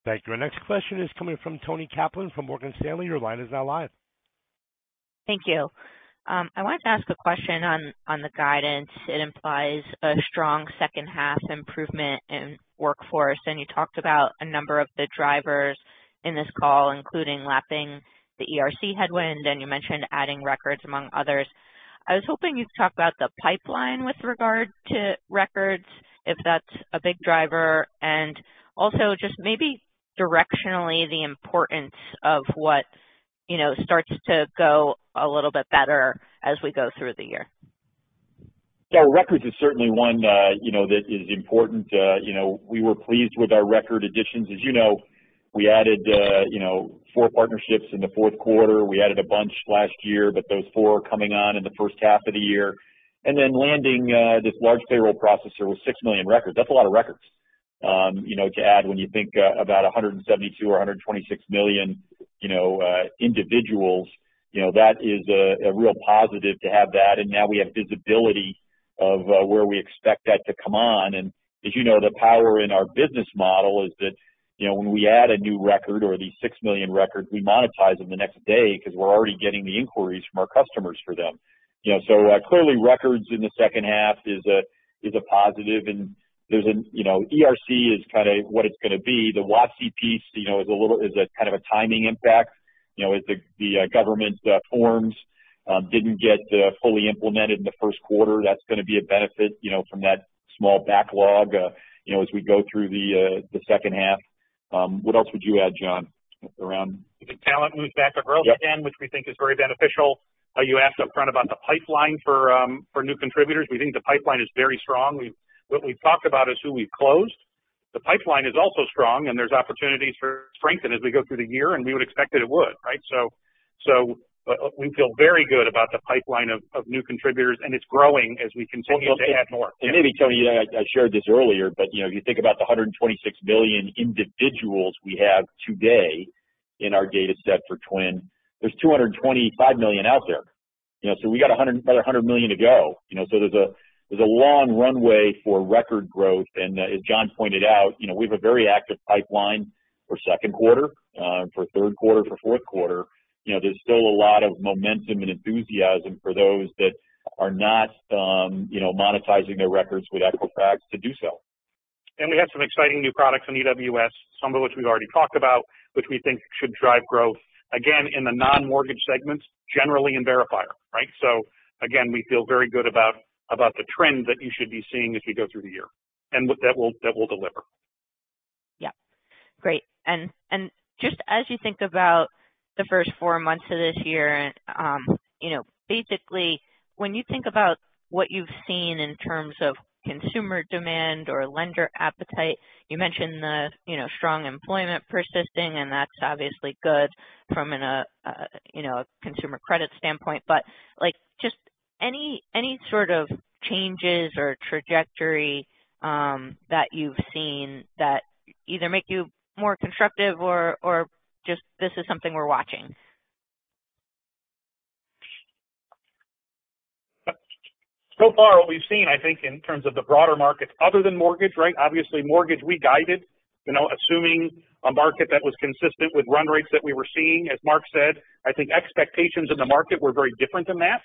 Thank you. Our next question is coming from Toni Kaplan from Morgan Stanley. Your line is now live. Thank you. I wanted to ask a question on the guidance. It implies a strong second-half improvement in workforce. You talked about a number of the drivers in this call, including lapping the ERC headwind, and you mentioned adding records, among others. I was hoping you'd talk about the pipeline with regard to records, if that's a big driver, and also just maybe directionally the importance of what starts to go a little bit better as we go through the year. Yeah. Records is certainly one that is important. We were pleased with our record additions. As you know, we added four partnerships in the fourth quarter. We added a bunch last year, but those four are coming on in the first half of the year. And then landing this large payroll processor with 6 million records. That's a lot of records to add when you think about 172 or 126 million individuals. That is a real positive to have that. And now we have visibility of where we expect that to come on. And as you know, the power in our business model is that when we add a new record or these 6 million records, we monetize them the next day because we're already getting the inquiries from our customers for them. So clearly, records in the second half is a positive. ERC is kind of what it's going to be. The WASI piece is a little kind of a timing impact as the government forms didn't get fully implemented in the first quarter. That's going to be a benefit from that small backlog as we go through the second half. What else would you add, John, around? The talent moves back to growth again, which we think is very beneficial. You asked upfront about the pipeline for new contributors. We think the pipeline is very strong. What we've talked about is who we've closed. The pipeline is also strong, and there's opportunities for strengthen as we go through the year. And we would expect that it would, right? So we feel very good about the pipeline of new contributors. And it's growing as we continue to add more. And maybe, Tony, I shared this earlier, but if you think about the 126 million individuals we have today in our dataset for twin, there's 225 million out there. So we got another 100 million to go. So there's a long runway for record growth. And as John pointed out, we have a very active pipeline for second quarter, for third quarter, for fourth quarter. There's still a lot of momentum and enthusiasm for those that are not monetizing their records with Equifax to do so. We have some exciting new products in EWS, some of which we've already talked about, which we think should drive growth, again, in the non-mortgage segments, generally in Verifier, right? Again, we feel very good about the trend that you should be seeing as we go through the year and what that will deliver. Yeah. Great. And just as you think about the first four months of this year, basically, when you think about what you've seen in terms of consumer demand or lender appetite, you mentioned the strong employment persisting, and that's obviously good from a consumer credit standpoint. But just any sort of changes or trajectory that you've seen that either make you more constructive or just, "This is something we're watching"? So far, what we've seen, I think, in terms of the broader markets other than mortgage, right, obviously, mortgage, we guided, assuming a market that was consistent with run rates that we were seeing. As Mark said, I think expectations in the market were very different than that.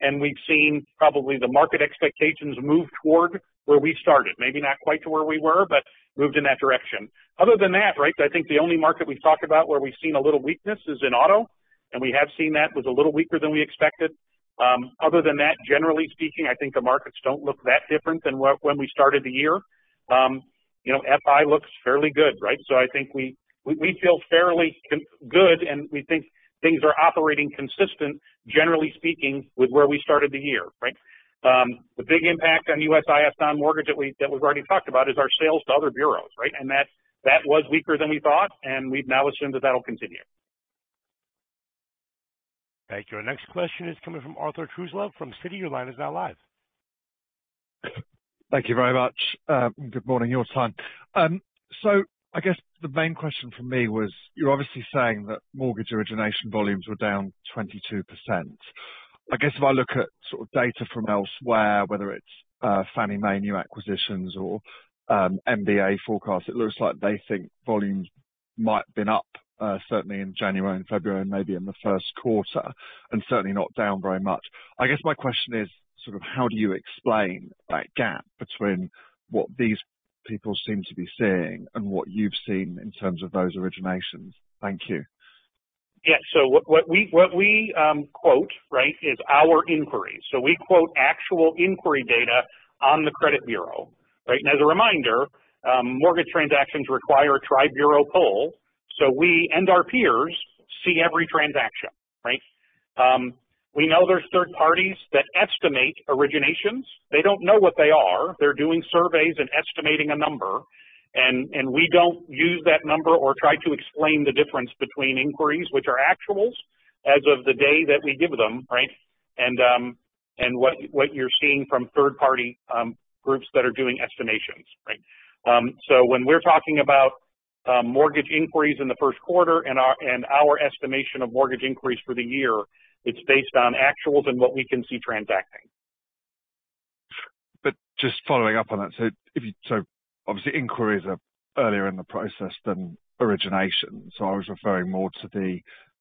And we've seen probably the market expectations move toward where we started, maybe not quite to where we were, but moved in that direction. Other than that, right, I think the only market we've talked about where we've seen a little weakness is in auto. And we have seen that was a little weaker than we expected. Other than that, generally speaking, I think the markets don't look that different than when we started the year. FI looks fairly good, right? So I think we feel fairly good, and we think things are operating consistent, generally speaking, with where we started the year, right? The big impact on USIS non-mortgage that we've already talked about is our sales to other bureaus, right? And that was weaker than we thought, and we've now assumed that that'll continue. Thank you. Our next question is coming from Arthur Truslove from Citi. Your line is now live. Thank you very much. Good morning, your time. So I guess the main question for me was you're obviously saying that mortgage origination volumes were down 22%. I guess if I look at sort of data from elsewhere, whether it's Fannie Mae new acquisitions or MBA forecasts, it looks like they think volumes might have been up, certainly in January, in February, and maybe in the first quarter, and certainly not down very much. I guess my question is sort of how do you explain that gap between what these people seem to be seeing and what you've seen in terms of those originations? Thank you. Yeah. So what we quote, right, is our inquiry. So we quote actual inquiry data on the credit bureau, right? And as a reminder, mortgage transactions require a tri-bureau pull. So we and our peers see every transaction, right? We know there's third parties that estimate originations. They don't know what they are. They're doing surveys and estimating a number. And we don't use that number or try to explain the difference between inquiries, which are actuals, as of the day that we give them, right, and what you're seeing from third-party groups that are doing estimations, right? So when we're talking about mortgage inquiries in the first quarter and our estimation of mortgage inquiries for the year, it's based on actuals and what we can see transacting. But just following up on that, so obviously, inquiries are earlier in the process than origination. So I was referring more to the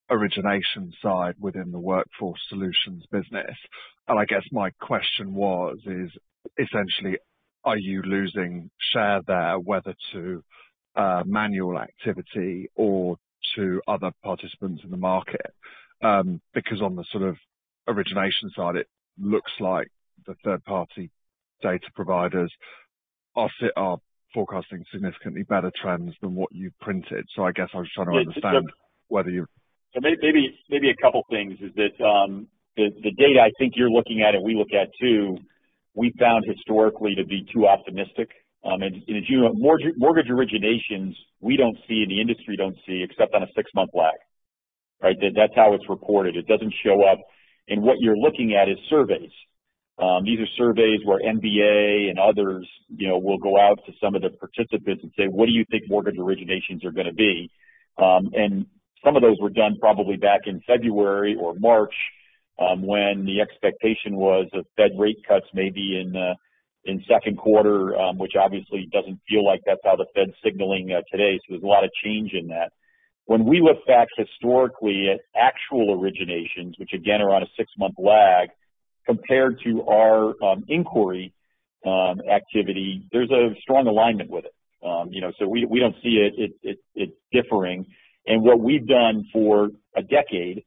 origination side within the workforce solutions business. And I guess my question was, essentially, are you losing share there, whether to manual activity or to other participants in the market? Because on the sort of origination side, it looks like the third-party data providers are forecasting significantly better trends than what you printed. So I guess I was trying to understand whether you. So maybe a couple of things is that the data I think you're looking at and we look at too, we found historically to be too optimistic. And as you know, mortgage originations, we don't see in the industry don't see except on a six-month lag, right? That's how it's reported. It doesn't show up. And what you're looking at is surveys. These are surveys where MBA and others will go out to some of the participants and say, "What do you think mortgage originations are going to be?" And some of those were done probably back in February or March when the expectation was of Fed rate cuts maybe in second quarter, which obviously doesn't feel like that's how the Fed's signaling today. So there's a lot of change in that. When we look back historically at actual originations, which again are on a six-month lag, compared to our inquiry activity, there's a strong alignment with it. So we don't see it differing in what we've done for a decade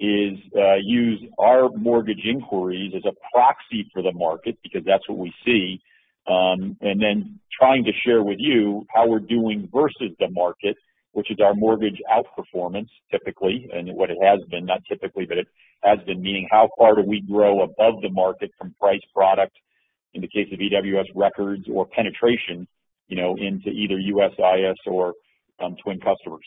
is use our mortgage inquiries as a proxy for the market because that's what we see, and then trying to share with you how we're doing versus the market, which is our mortgage outperformance, typically, and what it has been, not typically, but it has been, meaning how far do we grow above the market from price product in the case of EWS records or penetration into either USIS or twin customers.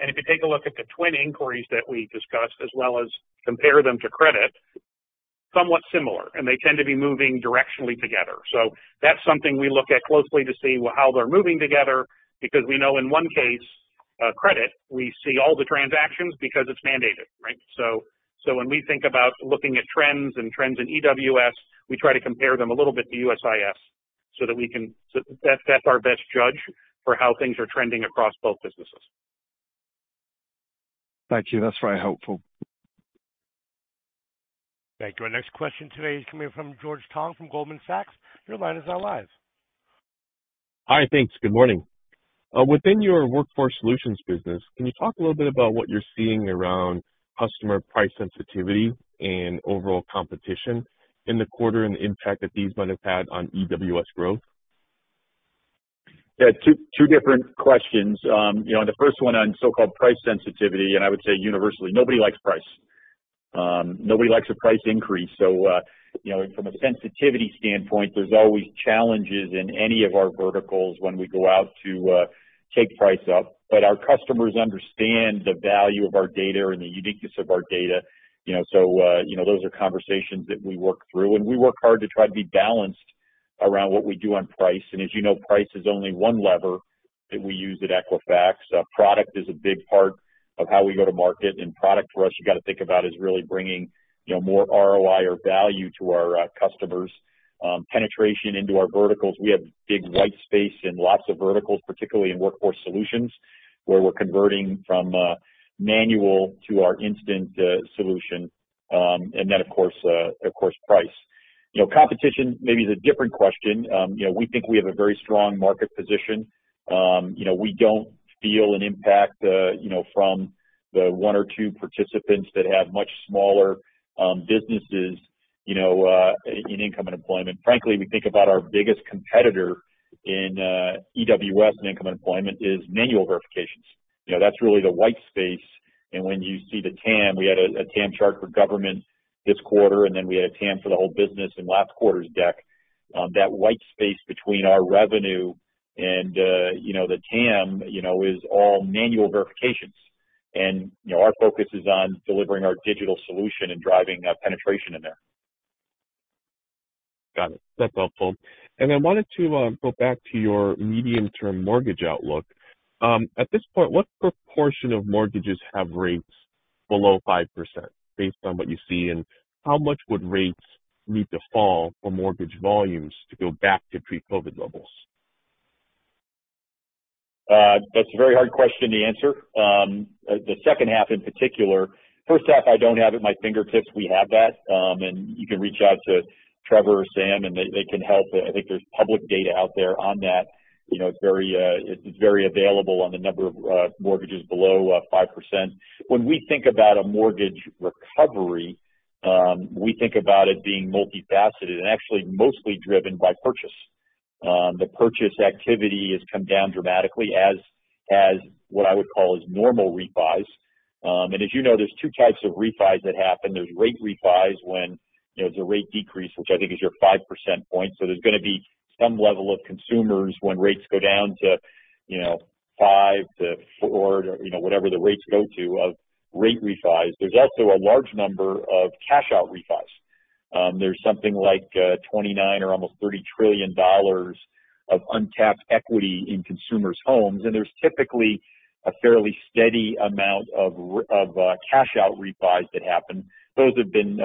And if you take a look at the twin inquiries that we discussed, as well as compare them to credit, somewhat similar. And they tend to be moving directionally together. So that's something we look at closely to see, well, how they're moving together because we know in one case, credit, we see all the transactions because it's mandated, right? So when we think about looking at trends and trends in EWS, we try to compare them a little bit to USIS so that we can so that's our best judge for how things are trending across both businesses. Thank you. That's very helpful. Thank you. Our next question today is coming from George Tong from Goldman Sachs. Your line is now live. Hi, thanks. Good morning. Within your workforce solutions business, can you talk a little bit about what you're seeing around customer price sensitivity and overall competition in the quarter and the impact that these might have had on EWS growth? Yeah. Two different questions. The first one on so-called price sensitivity, and I would say universally, nobody likes price. Nobody likes a price increase. So from a sensitivity standpoint, there's always challenges in any of our verticals when we go out to take price up. But our customers understand the value of our data and the uniqueness of our data. So those are conversations that we work through. And we work hard to try to be balanced around what we do on price. And as you know, price is only one lever that we use at Equifax. Product is a big part of how we go to market. And product, for us, you got to think about as really bringing more ROI or value to our customers. Penetration into our verticals, we have big white space in lots of verticals, particularly in workforce solutions, where we're converting from manual to our instant solution. And then, of course, price. Competition, maybe it's a different question. We think we have a very strong market position. We don't feel an impact from the one or two participants that have much smaller businesses in income and employment. Frankly, we think about our biggest competitor in EWS and income and employment is manual verifications. That's really the white space. And when you see the TAM, we had a TAM chart for government this quarter, and then we had a TAM for the whole business in last quarter's deck. That white space between our revenue and the TAM is all manual verifications. And our focus is on delivering our digital solution and driving penetration in there. Got it. That's helpful. I wanted to go back to your medium-term mortgage outlook. At this point, what proportion of mortgages have rates below 5% based on what you see? How much would rates need to fall for mortgage volumes to go back to pre-COVID levels? That's a very hard question to answer. The second half, in particular first half, I don't have at my fingertips. We have that. And you can reach out to Trevor or Sam, and they can help. I think there's public data out there on that. It's very available on the number of mortgages below 5%. When we think about a mortgage recovery, we think about it being multifaceted and actually mostly driven by purchase. The purchase activity has come down dramatically as what I would call is normal refis. And as you know, there's two types of refis that happen. There's rate refis when there's a rate decrease, which I think is your 5% point. So there's going to be some level of consumers when rates go down to 5%-4% or whatever the rates go to of rate refis. There's also a large number of cash-out refis. There's something like $29 trillion or almost $30 trillion of untapped equity in consumers' homes. There's typically a fairly steady amount of cash-out refis that happen. Those have been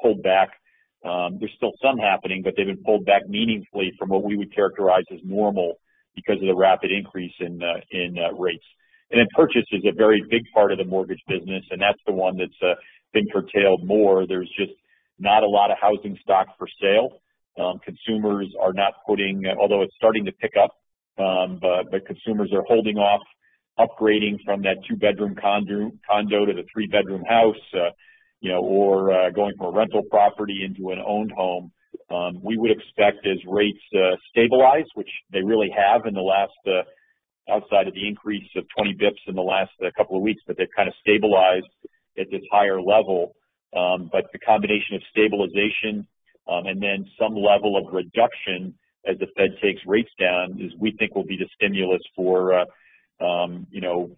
pulled back. There's still some happening, but they've been pulled back meaningfully from what we would characterize as normal because of the rapid increase in rates. Then purchase is a very big part of the mortgage business, and that's the one that's been curtailed more. There's just not a lot of housing stock for sale. Consumers are not putting although it's starting to pick up, but consumers are holding off upgrading from that two-bedroom condo to the three-bedroom house or going from a rental property into an owned home. We would expect, as rates stabilize, which they really have in the last, outside of the increase of 20 basis points in the last couple of weeks, but they've kind of stabilized at this higher level. But the combination of stabilization and then some level of reduction as the Fed takes rates down is, we think, will be the stimulus for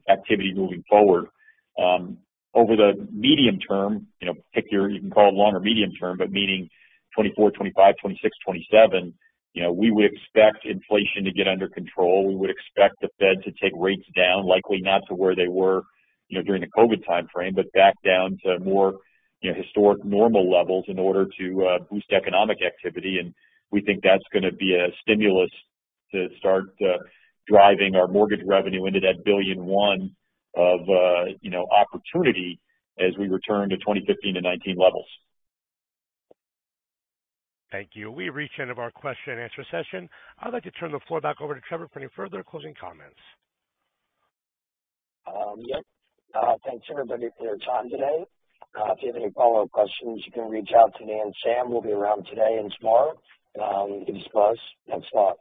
activity moving forward. Over the medium term pick your, you can call it longer medium term, but meaning 2024, 2025, 2026, 2027, we would expect inflation to get under control. We would expect the Fed to take rates down, likely not to where they were during the COVID timeframe, but back down to more historic normal levels in order to boost economic activity. We think that's going to be a stimulus to start driving our mortgage revenue into that $1 billion of opportunity as we return to 2015 and 2019 levels. Thank you. We reached the end of our question-and-answer session. I'd like to turn the floor back over to Trevor for any further closing comments. Yep. Thanks everybody for your time today. If you have any follow-up questions, you can reach out to me or Sam. We'll be around today and tomorrow. If you just let us, thanks a lot.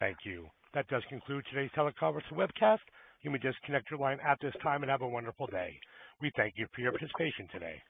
Thank you. That does conclude today's teleconference webcast. You may disconnect your line at this time and have a wonderful day. We thank you for your participation today.